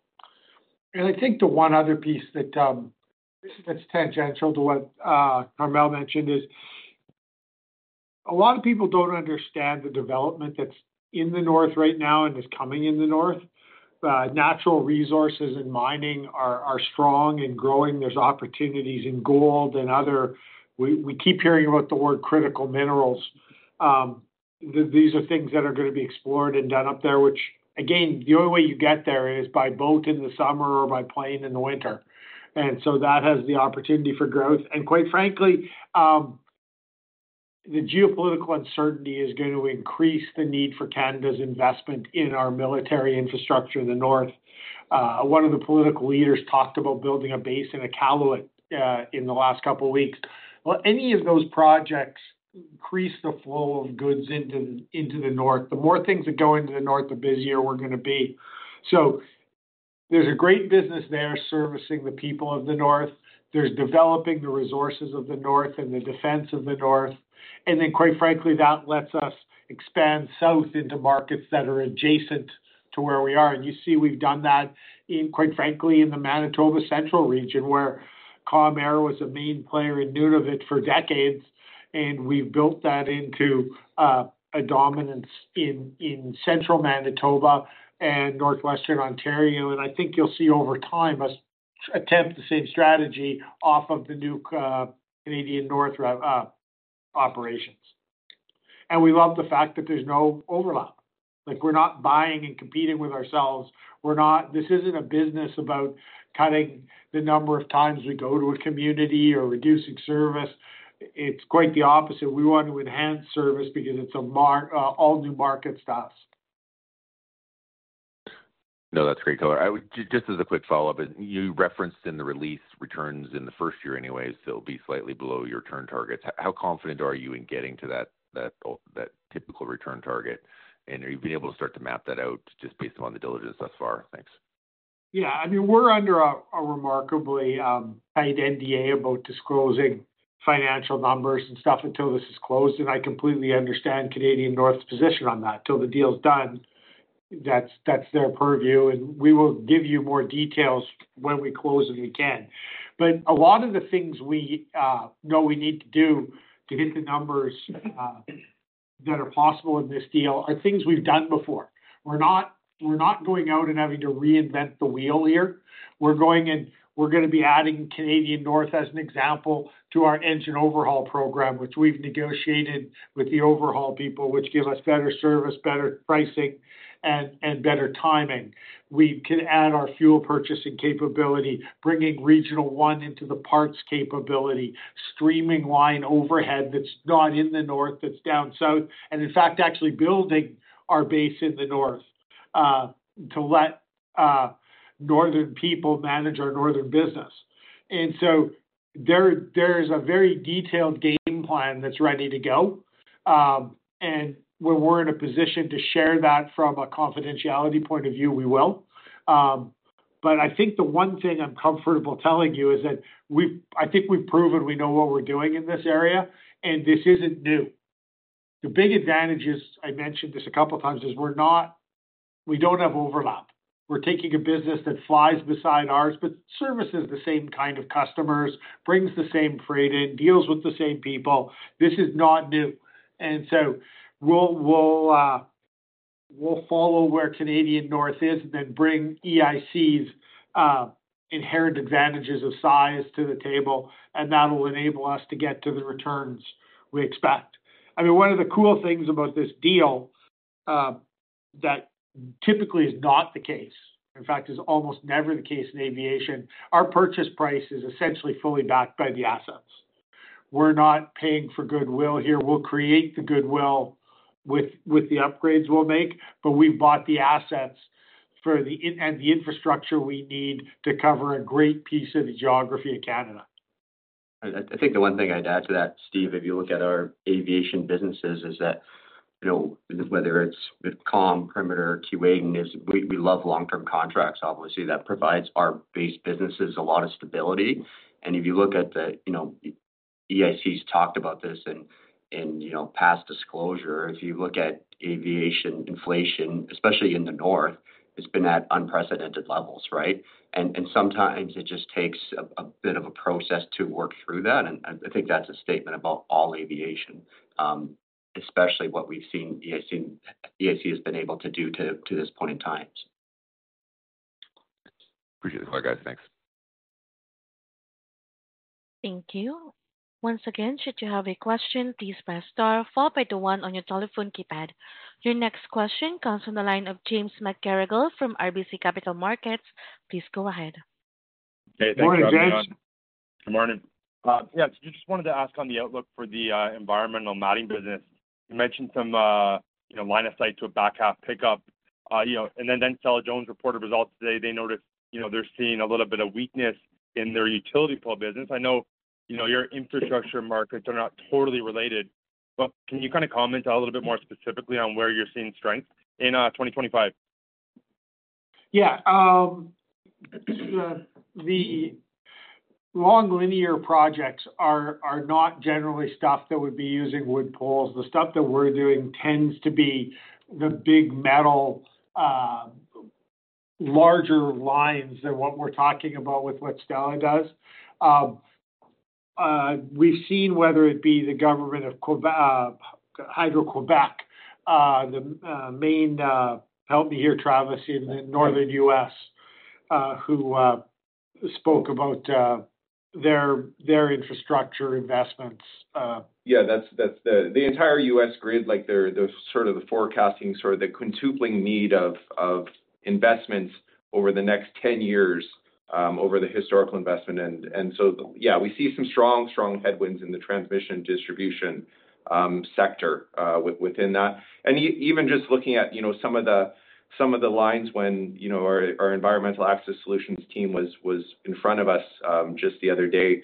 And I think the one other piece that's tangential to what Carmele mentioned is a lot of people don't understand the development that's in the North right now and is coming in the North. Natural resources and mining are strong and growing. There's opportunities in gold and other we keep hearing about the word critical minerals. These are things that are going to be explored and done up there, which, again, the only way you get there is by boat in the summer or by plane in the winter. And so that has the opportunity for growth. And quite frankly, the geopolitical uncertainty is going to increase the need for Canada's investment in our military infrastructure in the North. One of the political leaders talked about building a base in Iqaluit in the last couple of weeks. Any of those projects increase the flow of goods into the North. The more things that go into the North, the busier we're going to be. So there's a great business there servicing the people of the North. There's developing the resources of the North and the defense of the North. And then, quite frankly, that lets us expand south into markets that are adjacent to where we are. And you see we've done that, quite frankly, in the Manitoba central region where Calm Air was a main player in Nunavut for decades. And we've built that into a dominance in central Manitoba and northwestern Ontario. And I think you'll see over time us attempt the same strategy off of the new Canadian North operations. And we love the fact that there's no overlap. We're not buying and competing with ourselves. This isn't a business about cutting the number of times we go to a community or reducing service. It's quite the opposite. We want to enhance service because it's an all-new market to us. No, that's great, Carmele. Just as a quick follow-up, you referenced in the release returns in the first year anyway, so it'll be slightly below your return targets. How confident are you in getting to that typical return target? And have you been able to start to map that out just based upon the diligence thus far? Thanks. Yeah. I mean, we're under a remarkably tight NDA about disclosing financial numbers and stuff until this is closed. And I completely understand Canadian North's position on that. Until the deal's done, that's their purview. And we will give you more details when we close if we can. But a lot of the things we know we need to do to hit the numbers that are possible in this deal are things we've done before. We're not going out and having to reinvent the wheel here. We're going and we're going to be adding Canadian North as an example to our engine overhaul program, which we've negotiated with the overhaul people, which give us better service, better pricing, and better timing. We can add our fuel purchasing capability, bringing Regional One into the parts capability, streamline overhead that's not in the North, that's down south, and in fact, actually building our base in the North to let northern people manage our northern business. And so there's a very detailed game plan that's ready to go. And when we're in a position to share that from a confidentiality point of view, we will. But I think the one thing I'm comfortable telling you is that I think we've proven we know what we're doing in this area, and this isn't new. The big advantages, I mentioned this a couple of times, is we don't have overlap. We're taking a business that flies beside ours, but services the same kind of customers, brings the same freight in, deals with the same people. This is not new. And so we'll follow where Canadian North is and then bring EIC's inherent advantages of size to the table, and that'll enable us to get to the returns we expect. I mean, one of the cool things about this deal that typically is not the case, in fact, is almost never the case in aviation, our purchase price is essentially fully backed by the assets. We're not paying for goodwill here. We'll create the goodwill with the upgrades we'll make, but we've bought the assets and the infrastructure we need to cover a great piece of the geography of Canada. I think the one thing I'd add to that, Steve, if you look at our aviation businesses, is that whether it's Calm, Perimeter, Keewatin, we love long-term contracts. Obviously, that provides our base businesses a lot of stability. And if you look at the EIC's talked about this in past disclosure, if you look at aviation inflation, especially in the North, it's been at unprecedented levels, right? And sometimes it just takes a bit of a process to work through that. And I think that's a statement about all aviation, especially what we've seen EIC has been able to do to this point in time. Appreciate the color, guys. Thanks. Thank you. Once again, should you have a question, please press star followed by the one on your telephone keypad. Your next question comes from the line of James McGarragle from RBC Capital Markets. Please go ahead. Hey, thank you, Carmele. Morning, guys. Good morning. Yeah, I just wanted to ask on the outlook for the environmental matting business. You mentioned some line of sight to a back half pickup. And then Stella-Jones reported results today. They noticed they're seeing a little bit of weakness in their utility pole business. I know your infrastructure markets are not totally related, but can you kind of comment a little bit more specifically on where you're seeing strength in 2025? Yeah. The long linear projects are not generally stuff that would be using wood poles. The stuff that we're doing tends to be the big metal, larger lines than what we're talking about with what Stella does. We've seen, whether it be the government of Hydro-Québec, the main help me here, Travis, in the northern U.S., who spoke about their infrastructure investments. Yeah, that's the entire U.S. grid. They're sort of the forecasting, sort of the quintupling need of investments over the next 10 years over the historical investment. And so, yeah, we see some strong, strong headwinds in the transmission distribution sector within that. And even just looking at some of the lines when our Environmental Access Solutions team was in front of us just the other day,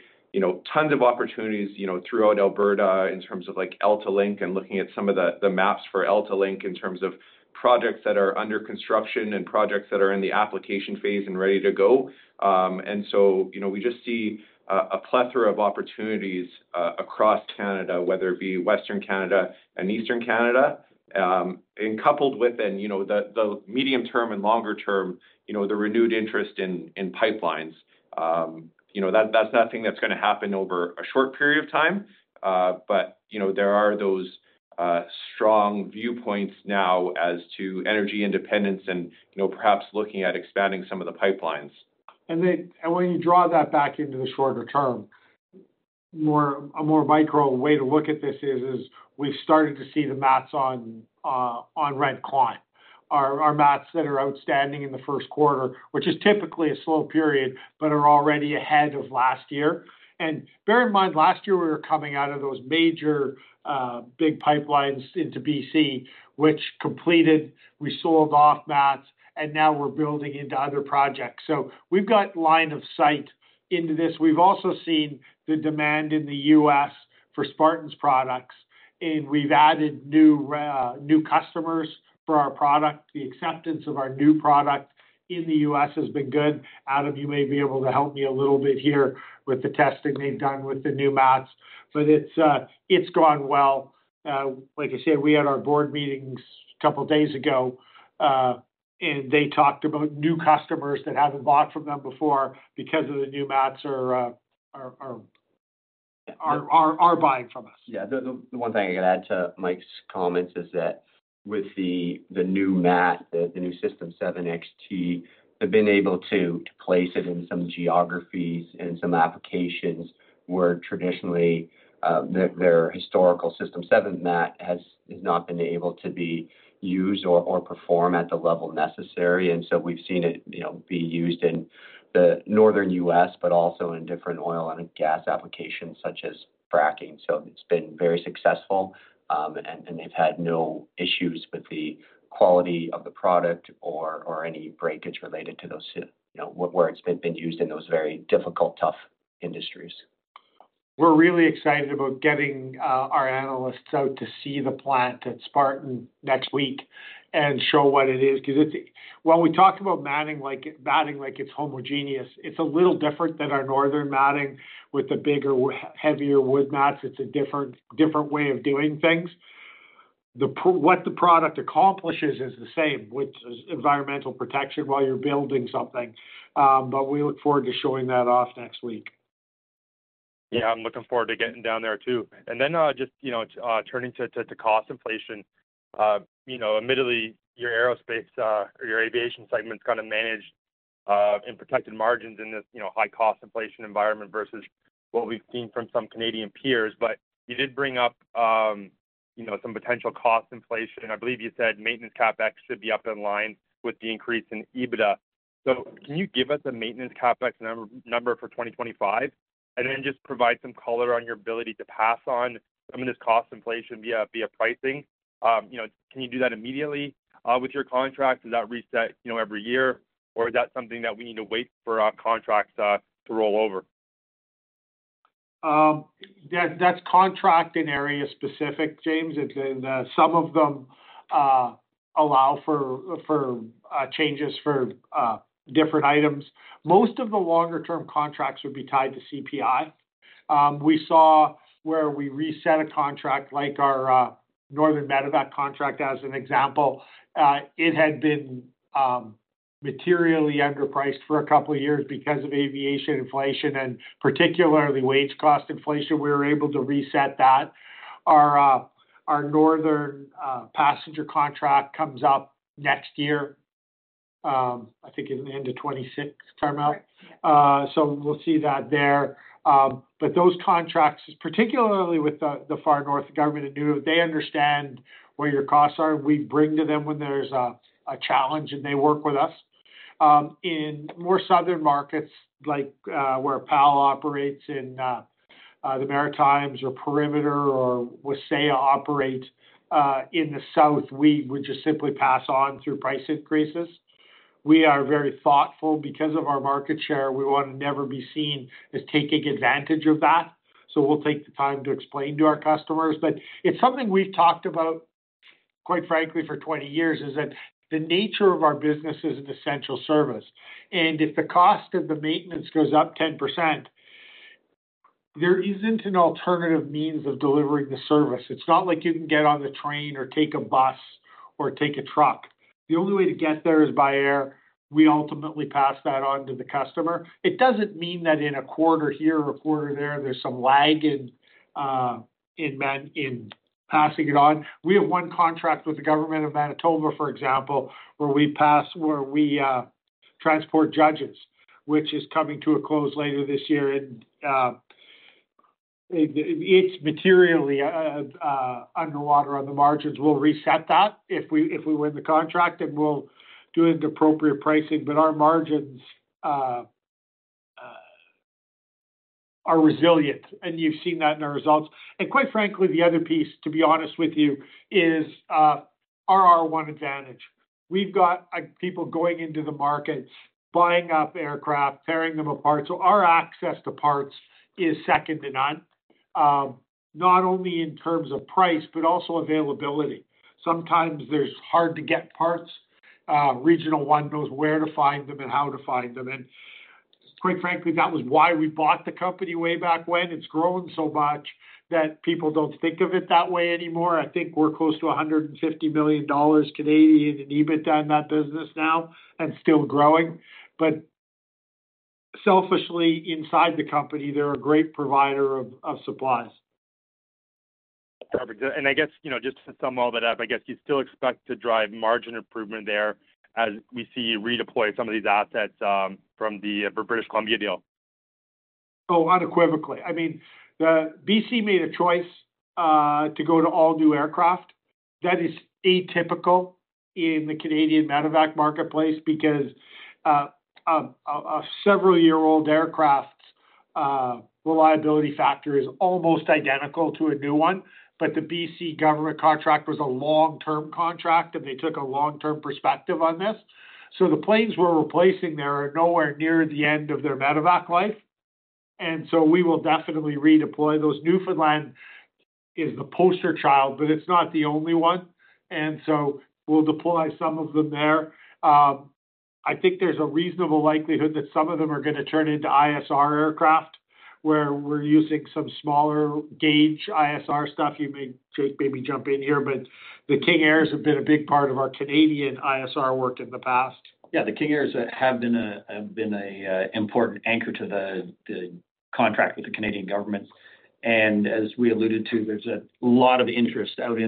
tons of opportunities throughout Alberta in terms of AltaLink and looking at some of the maps for AltaLink in terms of projects that are under construction and projects that are in the application phase and ready to go. And so we just see a plethora of opportunities across Canada, whether it be Western Canada and Eastern Canada, and coupled with the medium term and longer term, the renewed interest in pipelines. That's not something that's going to happen over a short period of time, but there are those strong viewpoints now as to energy independence and perhaps looking at expanding some of the pipelines. And when you draw that back into the shorter term, a more micro way to look at this is we've started to see the mats on rent climb. Our mats that are outstanding in the first quarter, which is typically a slow period, but are already ahead of last year. And bear in mind, last year we were coming out of those major big pipelines into B.C., which completed. We sold off mats, and now we're building into other projects. So we've got line of sight into this. We've also seen the demand in the U.S. for Spartan's products, and we've added new customers for our product. The acceptance of our new product in the U.S. has been good. Adam, you may be able to help me a little bit here with the testing they've done with the new mats, but it's gone well. Like I said, we had our board meetings a couple of days ago, and they talked about new customers that haven't bought from them before because of the new mats, are buying from us. Yeah. The one thing I can add to Mike's comments is that with the new mat, the new SYSTEM7 XT, they've been able to place it in some geographies and some applications where traditionally their historical SYSTEM7 mat has not been able to be used or perform at the level necessary. And so we've seen it be used in the northern U.S., but also in different oil and gas applications such as fracking. So it's been very successful, and they've had no issues with the quality of the product or any breakage related to where it's been used in those very difficult, tough industries. We're really excited about getting our analysts out to see the plant at Spartan next week and show what it is. Because when we talk about matting like it's homogeneous, it's a little different than our northern matting with the bigger, heavier wood mats. It's a different way of doing things. What the product accomplishes is the same, which is environmental protection while you're building something. But we look forward to showing that off next week. Yeah, I'm looking forward to getting down there too. And then just turning to cost inflation. Admittedly, your Aerospace or your aviation segment's kind of managed and protected margins in this high-cost inflation environment versus what we've seen from some Canadian peers. But you did bring up some potential cost inflation. I believe you said maintenance CapEx should be up in line with the increase in EBITDA. Can you give us a maintenance CapEx number for 2025 and then just provide some color on your ability to pass on some of this cost inflation via pricing? Can you do that immediately with your contracts? Does that reset every year, or is that something that we need to wait for our contracts to roll over? That's contract and area-specific, James. Some of them allow for changes for different items. Most of the longer-term contracts would be tied to CPI. We saw where we reset a contract, like our northern medevac contract as an example. It had been materially underpriced for a couple of years because of aviation inflation and particularly wage cost inflation. We were able to reset that. Our northern passenger contract comes up next year, I think in the end of 2026, Carmele. We'll see that there. But those contracts, particularly with the Far North, the Government of Nunavut, they understand where your costs are. We bring to them when there's a challenge, and they work with us. In more southern markets, like where PAL operates in the Maritimes or Perimeter or Wasaya operate in the South, we would just simply pass on through price increases. We are very thoughtful because of our market share. We want to never be seen as taking advantage of that. So we'll take the time to explain to our customers. But it's something we've talked about, quite frankly, for 20 years, is that the nature of our business is an essential service. And if the cost of the maintenance goes up 10%, there isn't an alternative means of delivering the service. It's not like you can get on the train or take a bus or take a truck. The only way to get there is by air. We ultimately pass that on to the customer. It doesn't mean that in a quarter here or a quarter there, there's some lag in passing it on. We have one contract with the Government of Manitoba, for example, where we transport judges, which is coming to a close later this year, and it's materially underwater on the margins. We'll reset that if we win the contract, and we'll do it at appropriate pricing, but our margins are resilient, and you've seen that in our results, and quite frankly, the other piece, to be honest with you, is our R1 advantage. We've got people going into the markets, buying up aircraft, tearing them apart, so our access to parts is second to none, not only in terms of price, but also availability. Sometimes there's hard-to-get parts. Regional One knows where to find them and how to find them, and quite frankly, that was why we bought the company way back when. It's grown so much that people don't think of it that way anymore. I think we're close to 150 million Canadian dollars in EBITDA in that business now and still growing. But selfishly, inside the company, they're a great provider of supplies. Perfect. And I guess just to sum all that up, I guess you still expect to drive margin improvement there as we see you redeploy some of these assets from the British Columbia deal? Oh, unequivocally. I mean, B.C. made a choice to go to all new aircraft. That is atypical in the Canadian medevac marketplace because several-year-old aircraft's reliability factor is almost identical to a new one. But the B.C. government contract was a long-term contract, and they took a long-term perspective on this. So the planes we're replacing, they're nowhere near the end of their medevac life. And so we will definitely redeploy. Those Newfoundland is the poster child, but it's not the only one. And so we'll deploy some of them there. I think there's a reasonable likelihood that some of them are going to turn into ISR aircraft where we're using some smaller gauge ISR stuff. You may, Jake, maybe jump in here, but the King Airs have been a big part of our Canadian ISR work in the past. Yeah, the King Airs have been an important anchor to the contract with the Canadian government. And as we alluded to, there's a lot of interest out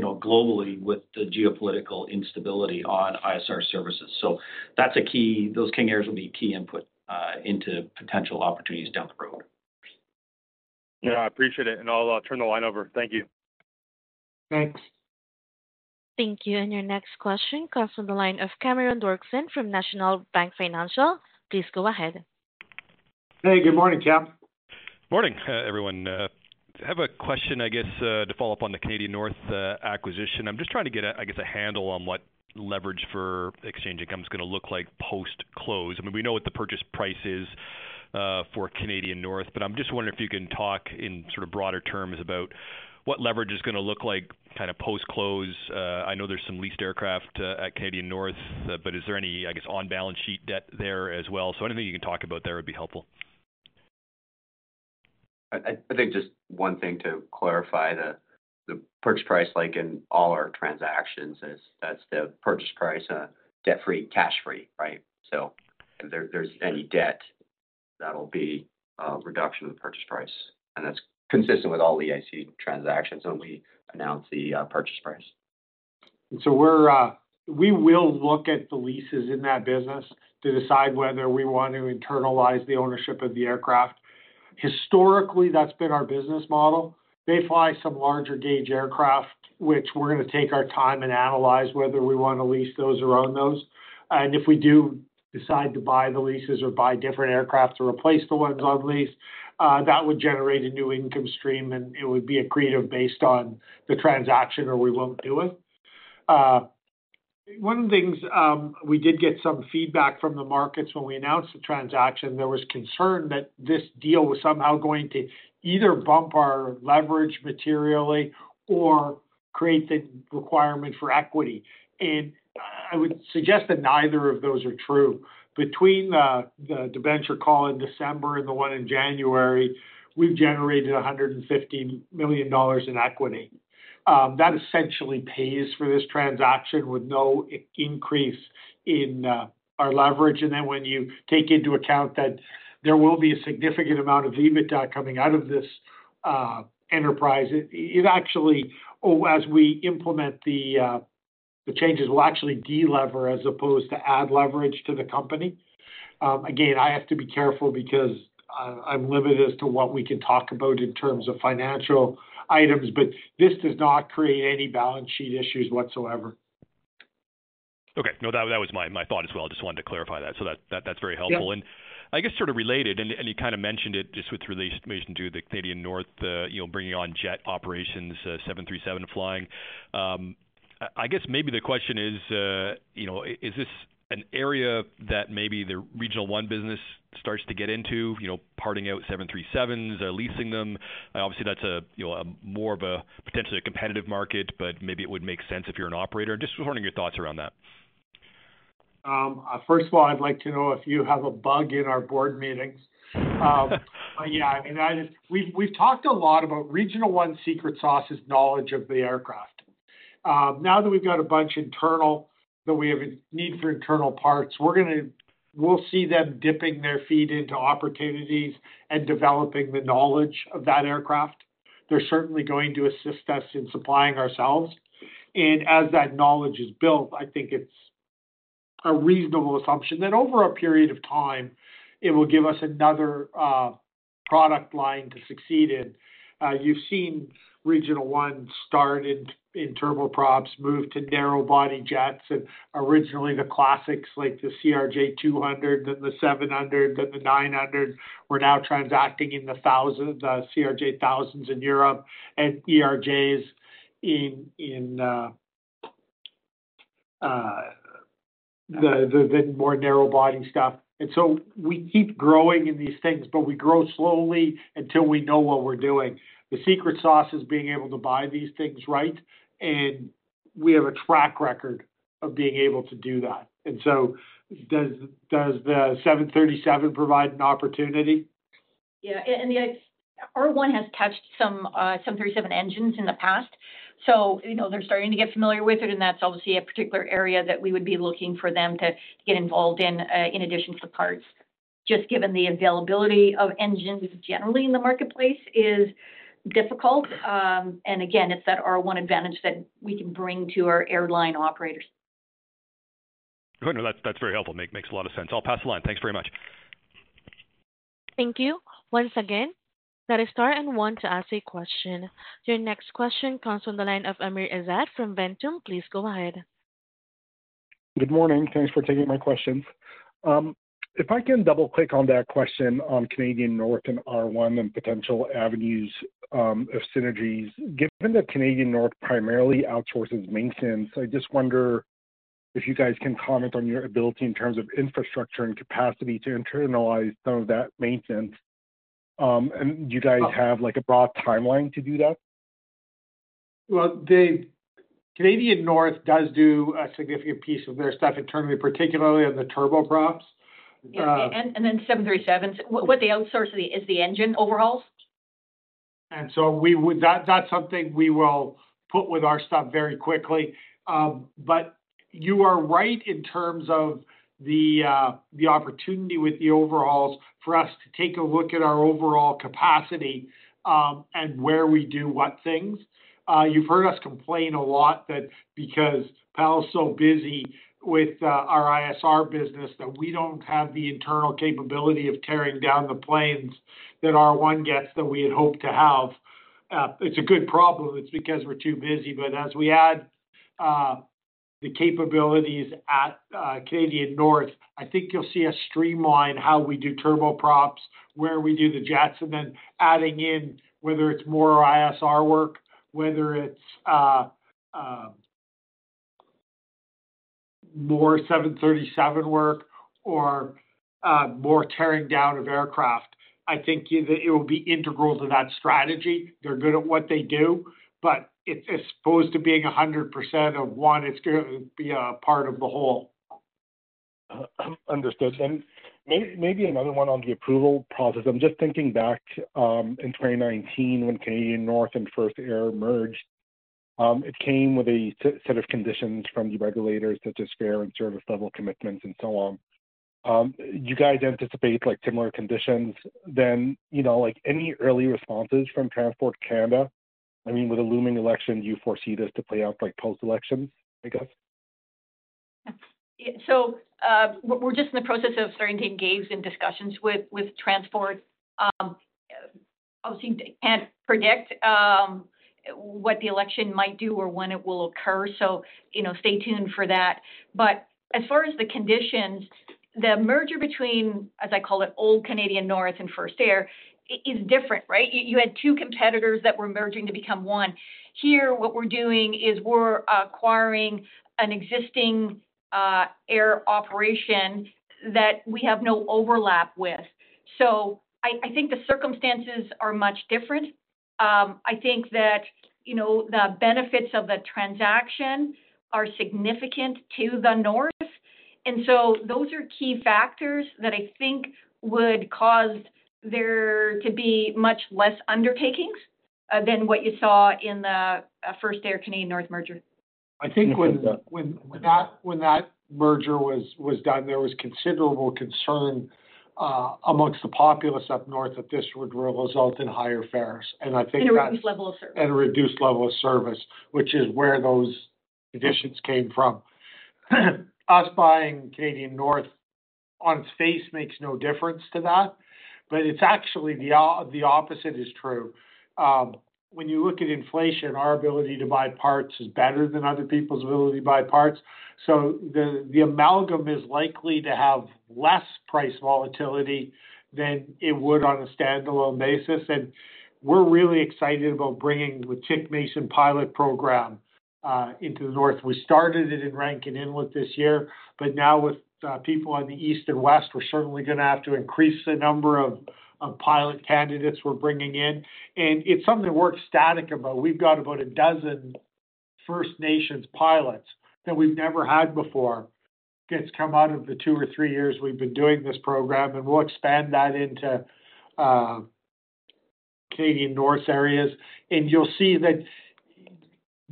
globally with the geopolitical instability on ISR services. So that's a key. Those King Airs will be key input into potential opportunities down the road. Yeah, I appreciate it, and I'll turn the line over. Thank you. Thanks. Thank you, and your next question comes from the line of Cameron Doerksen from National Bank Financial. Please go ahead. Hey, good morning, Cam. Morning, everyone. I have a question, I guess, to follow up on the Canadian North acquisition. I'm just trying to get, I guess, a handle on what leverage for exchange income is going to look like post-close. I mean, we know what the purchase price is for Canadian North, but I'm just wondering if you can talk in sort of broader terms about what leverage is going to look like kind of post-close. I know there's some leased aircraft at Canadian North, but is there any, I guess, on-balance sheet debt there as well? So anything you can talk about there would be helpful. I think just one thing to clarify: the purchase price, like in all our transactions, that's the purchase price, debt-free, cash-free, right? So if there's any debt, that'll be a reduction in the purchase price. And that's consistent with all the EIC transactions when we announce the purchase price. So we will look at the leases in that business to decide whether we want to internalize the ownership of the aircraft. Historically, that's been our business model. They fly some larger gauge aircraft, which we're going to take our time and analyze whether we want to lease those or own those. And if we do decide to buy the leases or buy different aircraft to replace the ones on lease, that would generate a new income stream, and it would be accretive based on the transaction, or we won't do it. One of the things we did get some feedback from the markets when we announced the transaction. There was concern that this deal was somehow going to either bump our leverage materially or create the requirement for equity. And I would suggest that neither of those are true. Between the debenture call in December and the one in January, we've generated 150 million dollars in equity. That essentially pays for this transaction with no increase in our leverage. Then when you take into account that there will be a significant amount of EBITDA coming out of this enterprise, it actually, as we implement the changes, will actually delever as opposed to add leverage to the company. Again, I have to be careful because I'm limited as to what we can talk about in terms of financial items, but this does not create any balance sheet issues whatsoever. Okay. No, that was my thought as well. I just wanted to clarify that. That's very helpful. I guess sort of related, and you kind of mentioned it just with relation to the Canadian North, bringing on jet operations, 737 flying. I guess maybe the question is, is this an area that maybe the Regional One business starts to get into, parting out 737s or leasing them? Obviously, that's more of a potentially competitive market, but maybe it would make sense if you're an operator. Just wondering your thoughts around that. First of all, I'd like to know if you have a bug in our board meetings. But yeah, I mean, we've talked a lot about Regional One's secret sauce is knowledge of the aircraft. Now that we've got a bunch of internal that we have a need for internal parts, we'll see them dipping their feet into opportunities and developing the knowledge of that aircraft. They're certainly going to assist us in supplying ourselves. And as that knowledge is built, I think it's a reasonable assumption that over a period of time, it will give us another product line to succeed in. You've seen Regional One start in turboprops, move to narrow-body jets, and originally the classics like the CRJ-200, then the 700, then the 900, we're now transacting in the CRJ-1000s in Europe and ERJs in the more narrow-body stuff. And so we keep growing in these things, but we grow slowly until we know what we're doing. The secret sauce is being able to buy these things right, and we have a track record of being able to do that. And so does the 737 provide an opportunity? Yeah. And R1 has touched some 737 engines in the past. So they're starting to get familiar with it, and that's obviously a particular area that we would be looking for them to get involved in in addition to parts. Just given the availability of engines generally in the marketplace is difficult. And again, it's that R1 advantage that we can bring to our airline operators. No, that's very helpful. Makes a lot of sense. I'll pass the line. Thanks very much. Thank you. Once again, dial star and one to ask a question. Your next question comes from the line of Amr Ezzat from Ventum. Please go ahead. Good morning. Thanks for taking my questions. If I can double-click on that question on Canadian North and R1 and potential avenues of synergies, given that Canadian North primarily outsources maintenance, I just wonder if you guys can comment on your ability in terms of infrastructure and capacity to internalize some of that maintenance. And do you guys have a broad timeline to do that? Well, Canadian North does do a significant piece of their stuff internally, particularly on the turboprops. And then 737s, what they outsource is the engine overhauls. And so that's something we will put with our stuff very quickly. But you are right in terms of the opportunity with the overhauls for us to take a look at our overall capacity and where we do what things. You've heard us complain a lot that because PAL is so busy with our ISR business that we don't have the internal capability of tearing down the planes that R1 gets that we had hoped to have. It's a good problem. It's because we're too busy. But as we add the capabilities at Canadian North, I think you'll see us streamline how we do turboprops, where we do the jets, and then adding in whether it's more ISR work, whether it's more 737 work, or more tearing down of aircraft. I think it will be integral to that strategy. They're good at what they do, but as opposed to being 100% of one, it's going to be a part of the whole. Understood. And maybe another one on the approval process. I'm just thinking back in 2019 when Canadian North and First Air merged. It came with a set of conditions from the regulators such as fare and service level commitments and so on. You guys anticipate similar conditions? Then any early responses from Transport Canada? I mean, with a looming election, do you foresee this to play out post-elections, I guess? So we're just in the process of starting to engage in discussions with Transport Canada. Obviously, can't predict what the election might do or when it will occur. So stay tuned for that. But as far as the conditions, the merger between, as I call it, old Canadian North and First Air is different, right? You had two competitors that were merging to become one. Here, what we're doing is we're acquiring an existing air operation that we have no overlap with. So I think the circumstances are much different. I think that the benefits of the transaction are significant to the North. And so those are key factors that I think would cause there to be much less undertakings than what you saw in the First Air-Canadian North merger. I think when that merger was done, there was considerable concern amongst the populace up north that this would result in higher fares. And I think that's a reduced level of service, which is where those conditions came from. Us buying Canadian North on its face makes no difference to that, but it's actually the opposite is true. When you look at inflation, our ability to buy parts is better than other people's ability to buy parts. So the amalgam is likely to have less price volatility than it would on a standalone basis. And we're really excited about bringing the Atik Mason pilot program into the North. We started it in Rankin Inlet this year, but now with people on the East and West, we're certainly going to have to increase the number of pilot candidates we're bringing in. And it's something we're ecstatic about. We've got about a dozen First Nations pilots that we've never had before. It's come out of the two or three years we've been doing this program, and we'll expand that into Canadian North areas. And you'll see that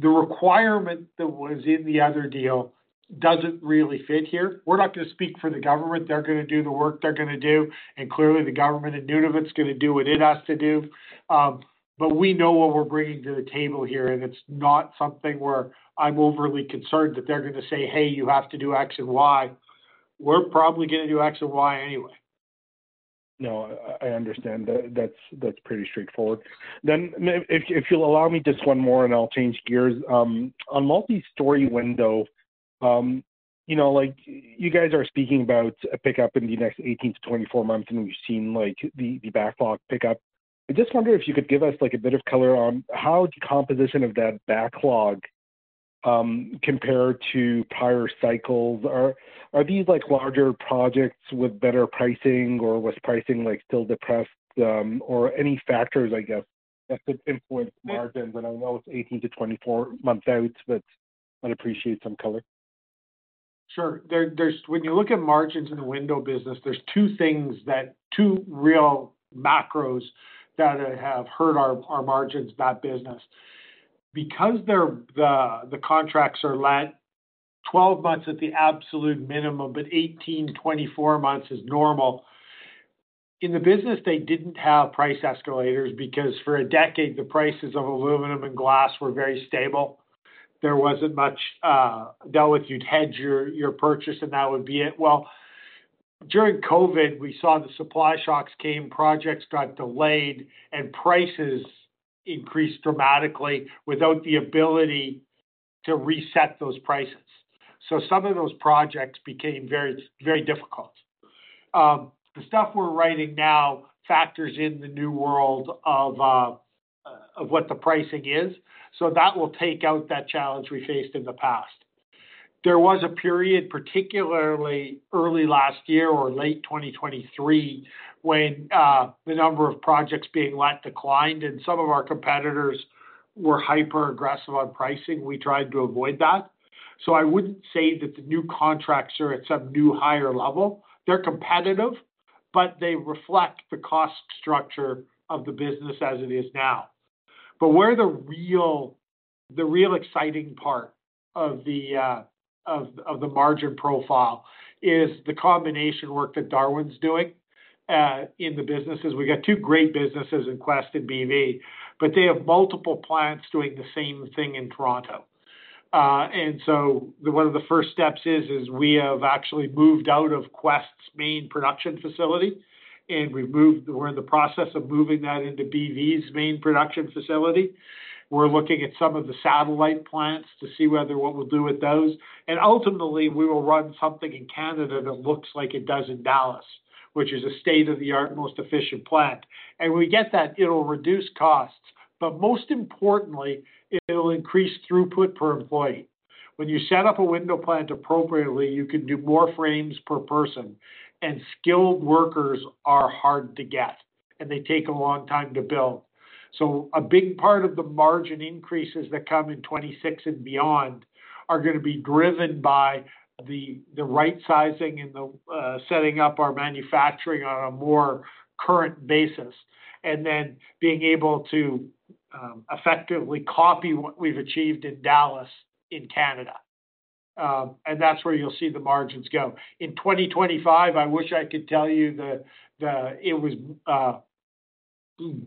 the requirement that was in the other deal doesn't really fit here. We're not going to speak for the government. They're going to do the work they're going to do, and clearly, the government in Nunavut is going to do what it has to do, but we know what we're bringing to the table here, and it's not something where I'm overly concerned that they're going to say, "Hey, you have to do X and Y." We're probably going to do X and Y anyway. No, I understand. That's pretty straightforward, then if you'll allow me just one more, and I'll change gears. On multi-story window, you guys are speaking about a pickup in the next 18-24 months, and we've seen the backlog pickup. I just wonder if you could give us a bit of color on how the composition of that backlog compared to prior cycles. Are these larger projects with better pricing or was pricing still depressed or any factors, I guess, that could influence margins? I know it's 18-24 months out, but I'd appreciate some color. Sure. When you look at margins in the window business, there's two real macros that have hurt our margins, that business. Because the contracts are let 12 months at the absolute minimum, but 18-24 months is normal. In the business, they didn't have price escalators because for a decade, the prices of aluminum and glass were very stable. There wasn't much dealt with. You'd hedge your purchase, and that would be it. During COVID, we saw the supply shocks came, projects got delayed, and prices increased dramatically without the ability to reset those prices. Some of those projects became very difficult. The stuff we're writing now factors in the new world of what the pricing is. That will take out that challenge we faced in the past. There was a period, particularly early last year or late 2023, when the number of projects being let declined, and some of our competitors were hyper-aggressive on pricing. We tried to avoid that, so I wouldn't say that the new contracts are at some new higher level. They're competitive, but they reflect the cost structure of the business as it is now, but where the real exciting part of the margin profile is the combination work that Darwin's doing in the businesses. We got two great businesses in Quest and BV, but they have multiple plants doing the same thing in Toronto, and so one of the first steps is we have actually moved out of Quest's main production facility, and we're in the process of moving that into BV's main production facility. We're looking at some of the satellite plants to see what we'll do with those. Ultimately, we will run something in Canada that looks like it does in Dallas, which is a state-of-the-art, most efficient plant. When we get that, it'll reduce costs, but most importantly, it'll increase throughput per employee. When you set up a window plant appropriately, you can do more frames per person, and skilled workers are hard to get, and they take a long time to build. A big part of the margin increases that come in 2026 and beyond are going to be driven by the right-sizing and setting up our manufacturing on a more current basis, and then being able to effectively copy what we've achieved in Dallas in Canada. That's where you'll see the margins go. In 2025, I wish I could tell you that it was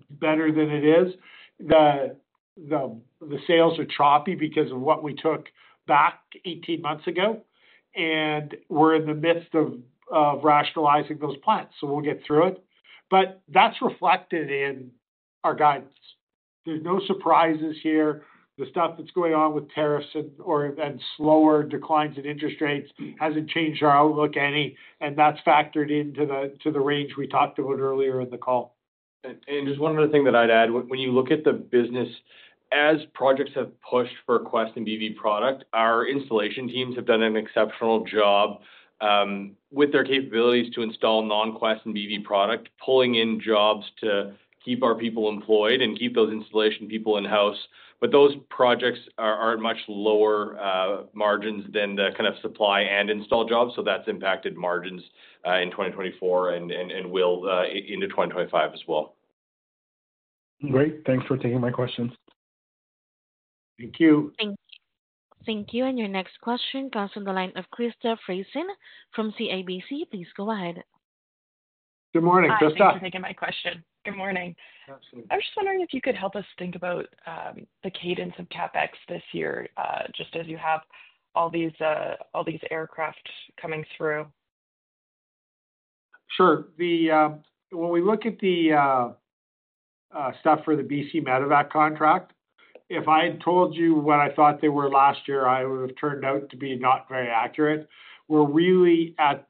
better than it is. The sales are choppy because of what we took back 18 months ago, and we're in the midst of rationalizing those plants, so we'll get through it, but that's reflected in our guidance. There's no surprises here. The stuff that's going on with tariffs and slower declines in interest rates hasn't changed our outlook any, and that's factored into the range we talked about earlier in the call. And just one other thing that I'd add. When you look at the business, as projects have pushed for Quest and BV product, our installation teams have done an exceptional job with their capabilities to install non-Quest and BV product, pulling in jobs to keep our people employed and keep those installation people in-house, but those projects are at much lower margins than the kind of supply and install jobs, so that's impacted margins in 2024 and will into 2025 as well. Great. Thanks for taking my questions. Thank you. Thank you. And your next question comes from the line of Krista Friesen from CIBC. Please go ahead. Good morning, Krista Friesen. Thank you for taking my question. Good morning. I was just wondering if you could help us think about the cadence of CapEx this year, just as you have all these aircraft coming through. Sure. When we look at the stuff for the B.C. medevac contract, if I had told you what I thought they were last year, I would have turned out to be not very accurate. We're really at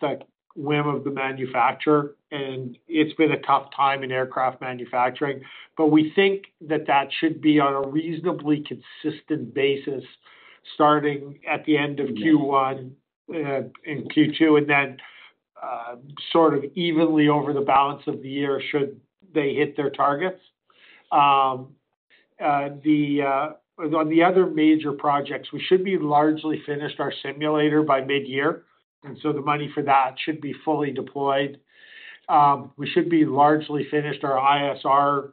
the whim of the manufacturer, and it's been a tough time in aircraft manufacturing. But we think that that should be on a reasonably consistent basis starting at the end of Q1 and Q2, and then sort of evenly over the balance of the year should they hit their targets. On the other major projects, we should be largely finished our simulator by mid-year, and so the money for that should be fully deployed. We should be largely finished our ISR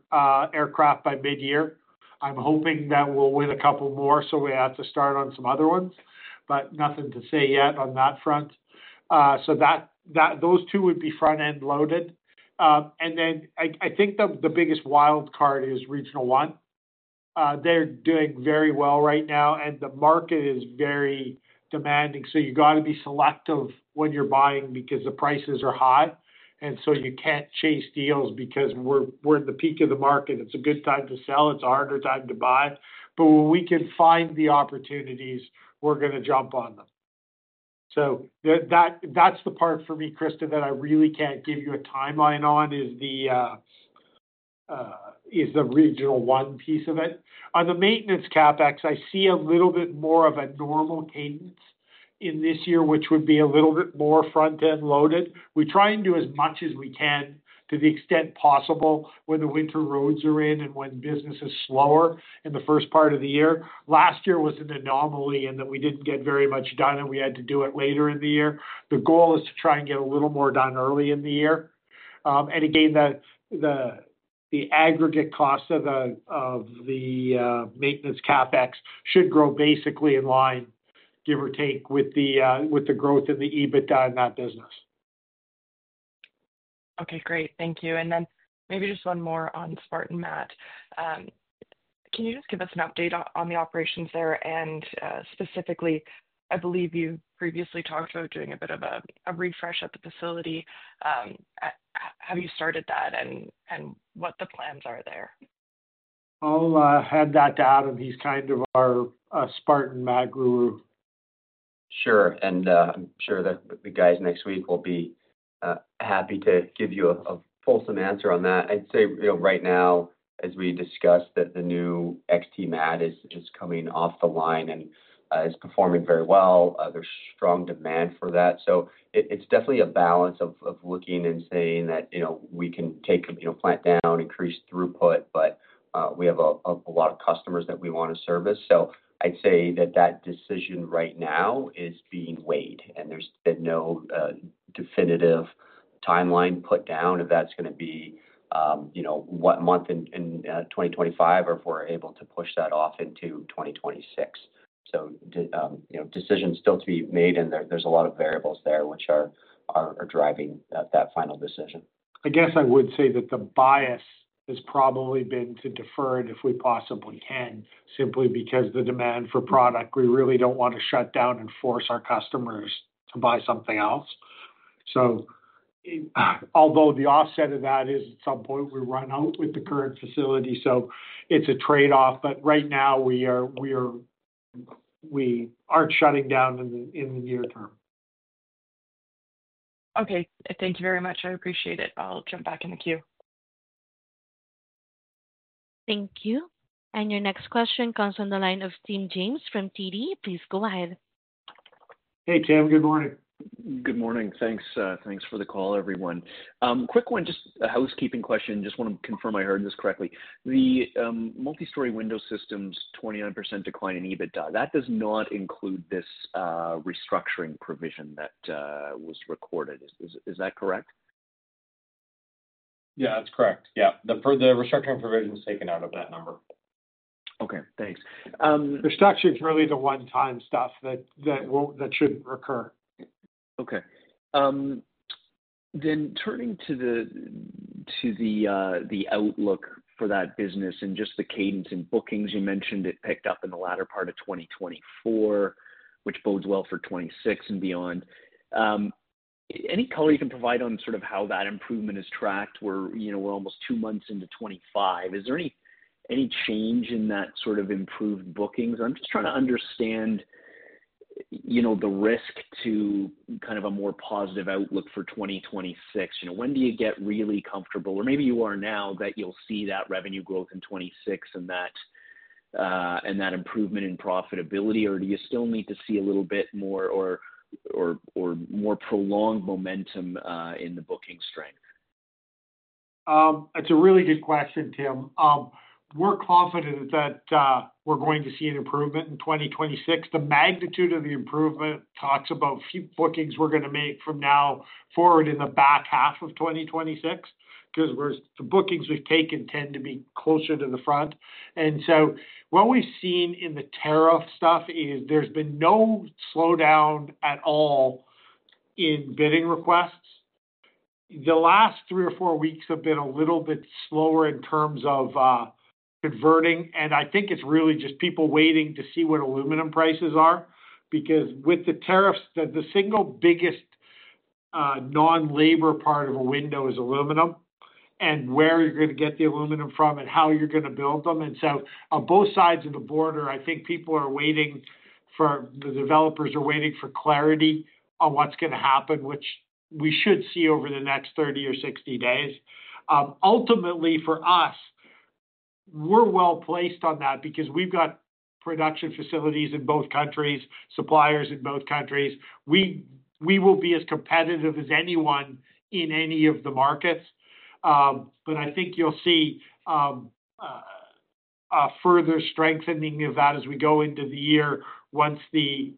aircraft by mid-year. I'm hoping that we'll win a couple more so we have to start on some other ones, but nothing to say yet on that front, so those two would be front-end loaded, and then I think the biggest wild card is Regional One. They're doing very well right now, and the market is very demanding, so you got to be selective when you're buying because the prices are high, and so you can't chase deals because we're at the peak of the market. It's a good time to sell. It's a harder time to buy, but when we can find the opportunities, we're going to jump on them. So that's the part for me, Krista, that I really can't give you a timeline on is the Regional One piece of it. On the maintenance CapEx, I see a little bit more of a normal cadence in this year, which would be a little bit more front-end loaded. We try and do as much as we can to the extent possible when the winter roads are in and when business is slower in the first part of the year. Last year was an anomaly in that we didn't get very much done, and we had to do it later in the year. The goal is to try and get a little more done early in the year. And again, the aggregate cost of the maintenance CapEx should grow basically in line, give or take, with the growth in the EBITDA in that business. Okay. Great. Thank you. Then maybe just one more on Spartan Mat. Can you just give us an update on the operations there? And specifically, I believe you previously talked about doing a bit of a refresh at the facility. Have you started that, and what the plans are there? I'll hand that off, and he's kind of our Spartan Mat guru. Sure. I'm sure that the guys next week will be happy to give you a fulsome answer on that. I'd say right now, as we discussed, that the new XT Mat is just coming off the line and is performing very well. There's strong demand for that. It's definitely a balance of looking and saying that we can take a plant down, increase throughput, but we have a lot of customers that we want to service. So I'd say that decision right now is being weighed, and there's been no definitive timeline put down of that's going to be what month in 2025 or if we're able to push that off into 2026. So decisions still to be made, and there's a lot of variables there which are driving that final decision. I guess I would say that the bias has probably been to defer it if we possibly can, simply because of the demand for product. We really don't want to shut down and force our customers to buy something else. So although the offset of that is at some point we run out with the current facility, so it's a trade-off. But right now, we aren't shutting down in the near term. Okay. Thank you very much. I appreciate it. I'll jump back in the queue. Thank you. And your next question comes from the line of Tim James from TD. Please go ahead. Hey, Tim. Good morning. Good morning. Thanks for the call, everyone. Quick one, just a housekeeping question. Just want to confirm I heard this correctly. The multi-story window system's 29% decline in EBITDA. That does not include this restructuring provision that was recorded. Is that correct? Yeah, that's correct. Yeah. The restructuring provision is taken out of that number. Okay. Thanks. Restructuring is really the one-time stuff that shouldn't recur. Okay. Then turning to the outlook for that business and just the cadence and bookings, you mentioned it picked up in the latter part of 2024, which bodes well for 2026 and beyond. Any color you can provide on sort of how that improvement is tracked? We're almost two months into 2025. Is there any change in that sort of improved bookings? I'm just trying to understand the risk to kind of a more positive outlook for 2026. When do you get really comfortable? Or maybe you are now that you'll see that revenue growth in 2026 and that improvement in profitability, or do you still need to see a little bit more or more prolonged momentum in the booking strength? That's a really good question, Tim. We're confident that we're going to see an improvement in 2026. The magnitude of the improvement talks about a few bookings we're going to make from now forward in the back half of 2026 because the bookings we've taken tend to be closer to the front. And so what we've seen in the tariff stuff is there's been no slowdown at all in bidding requests. The last three or four weeks have been a little bit slower in terms of converting. I think it's really just people waiting to see what aluminum prices are because with the tariffs, the single biggest non-labor part of a window is aluminum and where you're going to get the aluminum from and how you're going to build them. So on both sides of the border, I think people are waiting, the developers are waiting for clarity on what's going to happen, which we should see over the next 30 or 60 days. Ultimately, for us, we're well placed on that because we've got production facilities in both countries, suppliers in both countries. We will be as competitive as anyone in any of the markets. But I think you'll see a further strengthening of that as we go into the year once the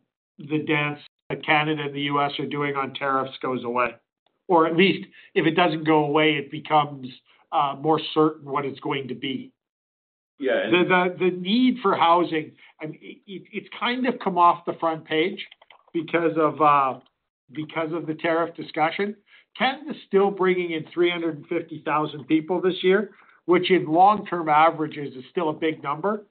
dance that Canada and the U.S. are doing on tariffs goes away. Or, at least if it doesn't go away, it becomes more certain what it's going to be. Yeah. The need for housing, it's kind of come off the front page because of the tariff discussion. Canada's still bringing in 350,000 people this year, which in long-term averages is still a big number.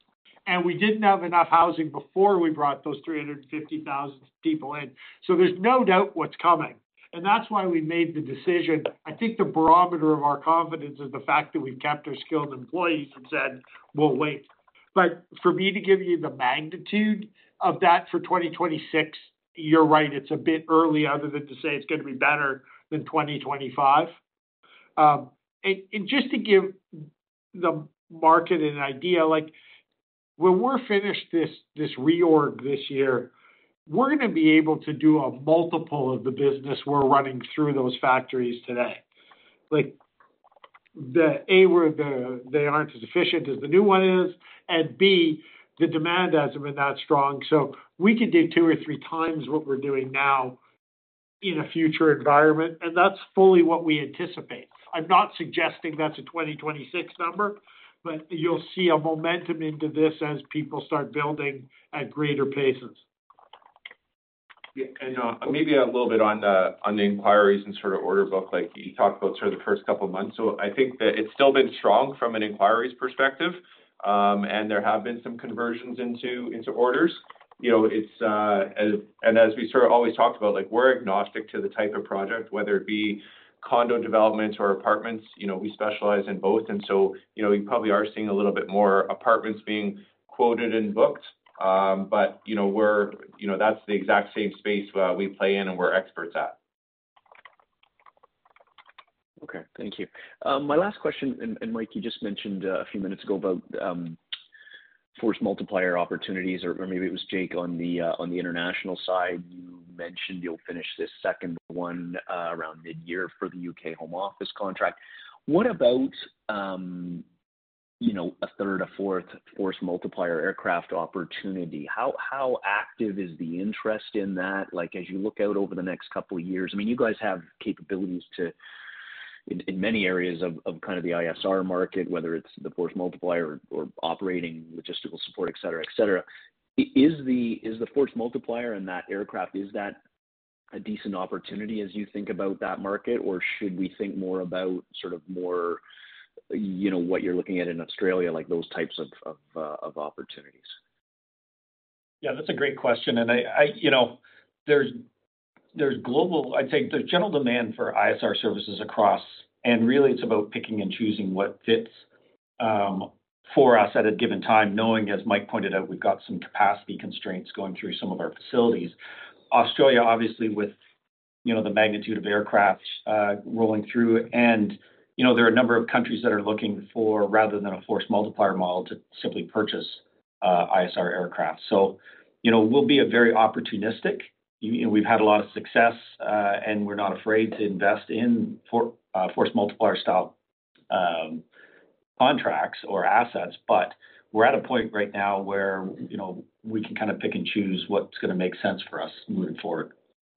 And we didn't have enough housing before we brought those 350,000 people in. So there's no doubt what's coming. And that's why we made the decision. I think the barometer of our confidence is the fact that we've kept our skilled employees and said, "We'll wait." But for me to give you the magnitude of that for 2026, you're right. It's a bit early other than to say it's going to be better than 2025. Just to give the market an idea, when we're finished this reorg this year, we're going to be able to do a multiple of the business we're running through those factories today. A, they aren't as efficient as the new one is, and B, the demand hasn't been that strong. We could do two or three times what we're doing now in a future environment. That's fully what we anticipate. I'm not suggesting that's a 2026 number, but you'll see a momentum into this as people start building at greater paces. Yeah. Maybe a little bit on the inquiries and sort of order book. You talked about sort of the first couple of months. I think that it's still been strong from an inquiries perspective, and there have been some conversions into orders. And as we sort of always talked about, we're agnostic to the type of project, whether it be condo developments or apartments. We specialize in both. And so you probably are seeing a little bit more apartments being quoted and booked, but that's the exact same space we play in and we're experts at. Okay. Thank you. My last question, and Mike, you just mentioned a few minutes ago about Force Multiplier opportunities, or maybe it was Jake on the international side. You mentioned you'll finish this second one around mid-year for the U.K. Home Office contract. What about a third, a fourth Force Multiplier aircraft opportunity? How active is the interest in that as you look out over the next couple of years? I mean, you guys have capabilities in many areas of kind of the ISR market, whether it's the Force Multiplier or operating logistical support, etc., etc. Is the Force Multiplier and that aircraft, is that a decent opportunity as you think about that market, or should we think more about sort of more what you're looking at in Australia, those types of opportunities? Yeah, that's a great question. And there's global, I'd say there's general demand for ISR services across. And really, it's about picking and choosing what fits for us at a given time, knowing, as Mike pointed out, we've got some capacity constraints going through some of our facilities. Australia, obviously, with the magnitude of aircraft rolling through, and there are a number of countries that are looking for, rather than a Force Multiplier model, to simply purchase ISR aircraft. So we'll be very opportunistic. We've had a lot of success, and we're not afraid to invest in Force Multiplier style contracts or assets. But we're at a point right now where we can kind of pick and choose what's going to make sense for us moving forward.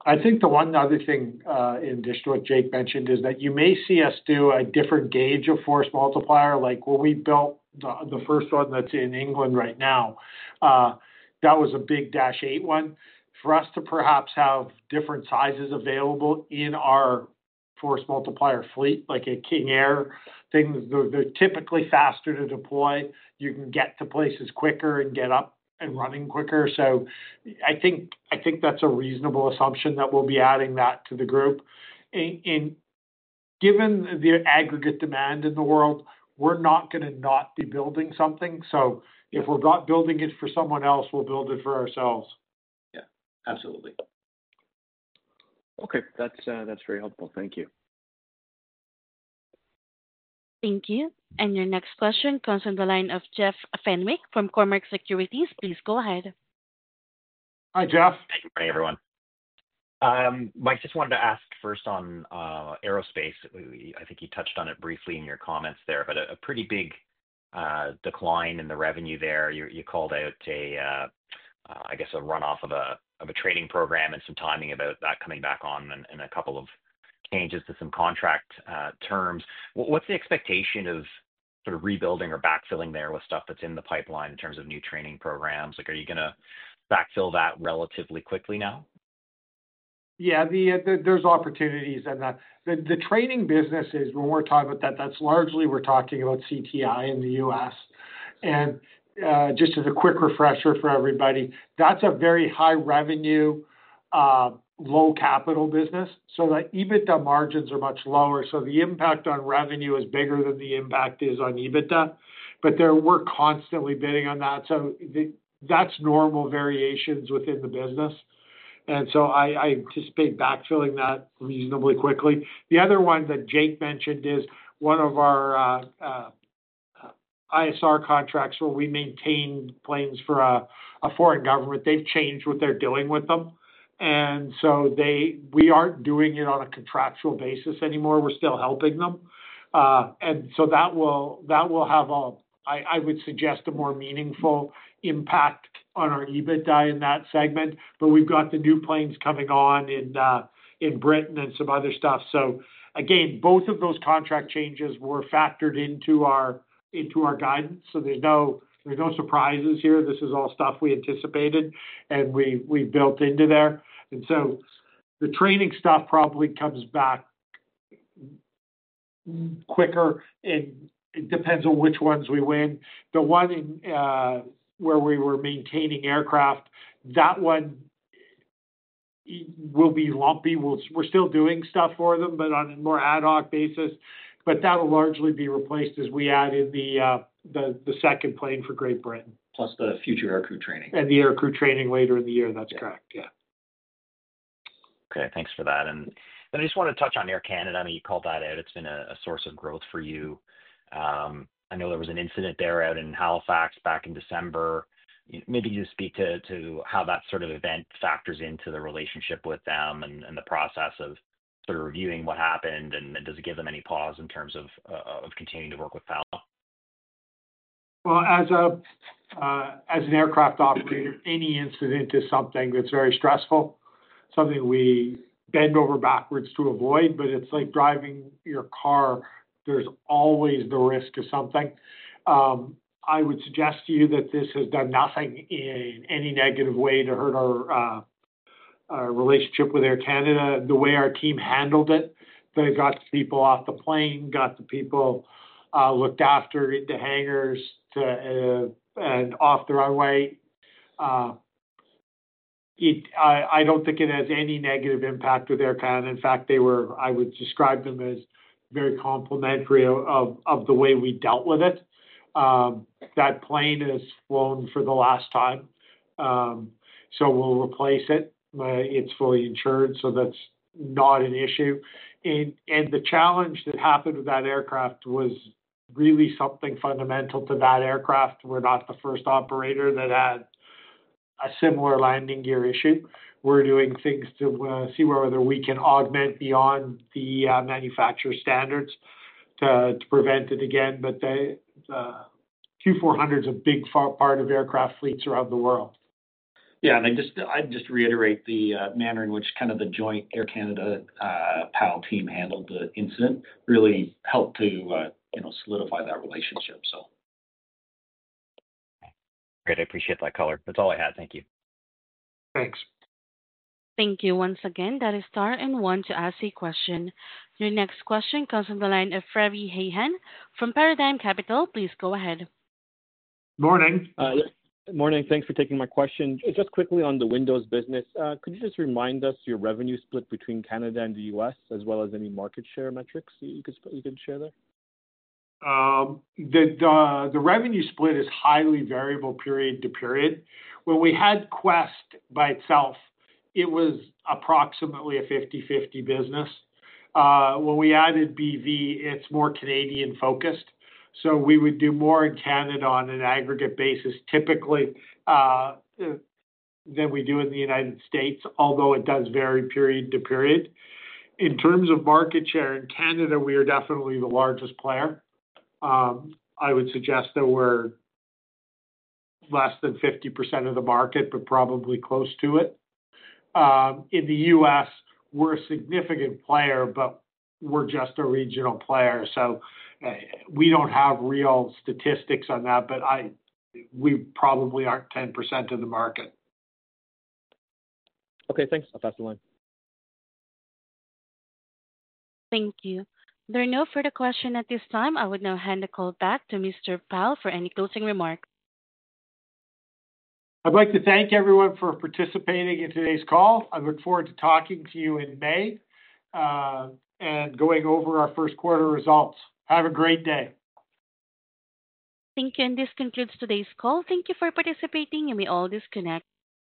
I think the one other thing in addition to what Jake mentioned is that you may see us do a different gauge of Force Multiplier. When we built the first one that's in England right now, that was a big Dash 8-Q400. For us to perhaps have different sizes available in our Force Multiplier fleet, like a King Air, things that are typically faster to deploy, you can get to places quicker and get up and running quicker. So I think that's a reasonable assumption that we'll be adding that to the group. And given the aggregate demand in the world, we're not going to not be building something. So if we're not building it for someone else, we'll build it for ourselves. Yeah. Absolutely. Okay. That's very helpful. Thank you. Thank you. And your next question comes from the line of Jeff Fenwick from Cormark Securities. Please go ahead. Hi, Jeff. Hi, everyone. Mike, just wanted to ask first on Aerospace. I think you touched on it briefly in your comments there, but a pretty big decline in the revenue there. You called out, I guess, a runoff of a training program and some timing about that coming back on and a couple of changes to some contract terms. What's the expectation of sort of rebuilding or backfilling there with stuff that's in the pipeline in terms of new training programs? Are you going to backfill that relatively quickly now? Yeah. There's opportunities. And the training businesses, when we're talking about that, that's largely we're talking about CTI in the U.S. Just as a quick refresher for everybody, that's a very high-revenue, low-capital business. The EBITDA margins are much lower. The impact on revenue is bigger than the impact is on EBITDA. We're constantly bidding on that. That's normal variations within the business. I anticipate backfilling that reasonably quickly. The other one that Jake mentioned is one of our ISR contracts where we maintain planes for a foreign government. They've changed what they're doing with them. We aren't doing it on a contractual basis anymore. We're still helping them. That will have a, I would suggest, a more meaningful impact on our EBITDA in that segment. We've got the new planes coming on in Britain and some other stuff. Again, both of those contract changes were factored into our guidance. There's no surprises here. This is all stuff we anticipated, and we built into there, and so the training stuff probably comes back quicker, and it depends on which ones we win. The one where we were maintaining aircraft, that one will be lumpy. We're still doing stuff for them, but on a more ad hoc basis, but that'll largely be replaced as we add in the second plane for Great Britain, plus the Future Aircrew Training, and the aircrew training later in the year. That's correct. Yeah. Okay. Thanks for that, and I just want to touch on Air Canada. I mean, you called that out. It's been a source of growth for you. I know there was an incident there out in Halifax back in December. Maybe you can just speak to how that sort of event factors into the relationship with them and the process of sort of reviewing what happened, and does it give them any pause in terms of continuing to work with PAL? Well, as an aircraft operator, any incident is something that's very stressful, something we bend over backwards to avoid. But it's like driving your car. There's always the risk of something. I would suggest to you that this has done nothing in any negative way to hurt our relationship with Air Canada, the way our team handled it. They got the people off the plane, got the people looked after in the hangars and off the runway. I don't think it has any negative impact with Air Canada. In fact, I would describe them as very complimentary of the way we dealt with it. That plane has flown for the last time. So we'll replace it. It's fully insured, so that's not an issue. And the challenge that happened with that aircraft was really something fundamental to that aircraft. We're not the first operator that had a similar landing gear issue. We're doing things to see whether we can augment beyond the manufacturer's standards to prevent it again. But the Q400 is a big part of aircraft fleets around the world. Yeah, and I'd just reiterate the manner in which kind of the joint Air Canada-PAL team handled the incident really helped to solidify that relationship, so. Great. I appreciate that color. That's all I had. Thank you. Thanks. Thank you once again. Press star one to ask a question. Your next question comes from the line of Razi Hasan from Paradigm Capital. Please go ahead. Morning. Morning. Thanks for taking my question. Just quickly on the windows business, could you just remind us your revenue split between Canada and the U.S., as well as any market share metrics you can share there? The revenue split is highly variable period to period. When we had Quest by itself, it was approximately a 50/50 business. When we added BV, it's more Canadian-focused. So we would do more in Canada on an aggregate basis typically than we do in the United States, although it does vary period to period. In terms of market share in Canada, we are definitely the largest player. I would suggest that we're less than 50% of the market, but probably close to it. In the U.S., we're a significant player, but we're just a regional player. So we don't have real statistics on that, but we probably aren't 10% of the market. Okay. Thanks. I'll pass the line. Thank you. There are no further questions at this time. I would now hand the call back to Mr. Pyle for any closing remarks. I'd like to thank everyone for participating in today's call. I look forward to talking to you in May and going over our first quarter results. Have a great day. Thank you. This concludes today's call. Thank you for participating, and we all disconnect.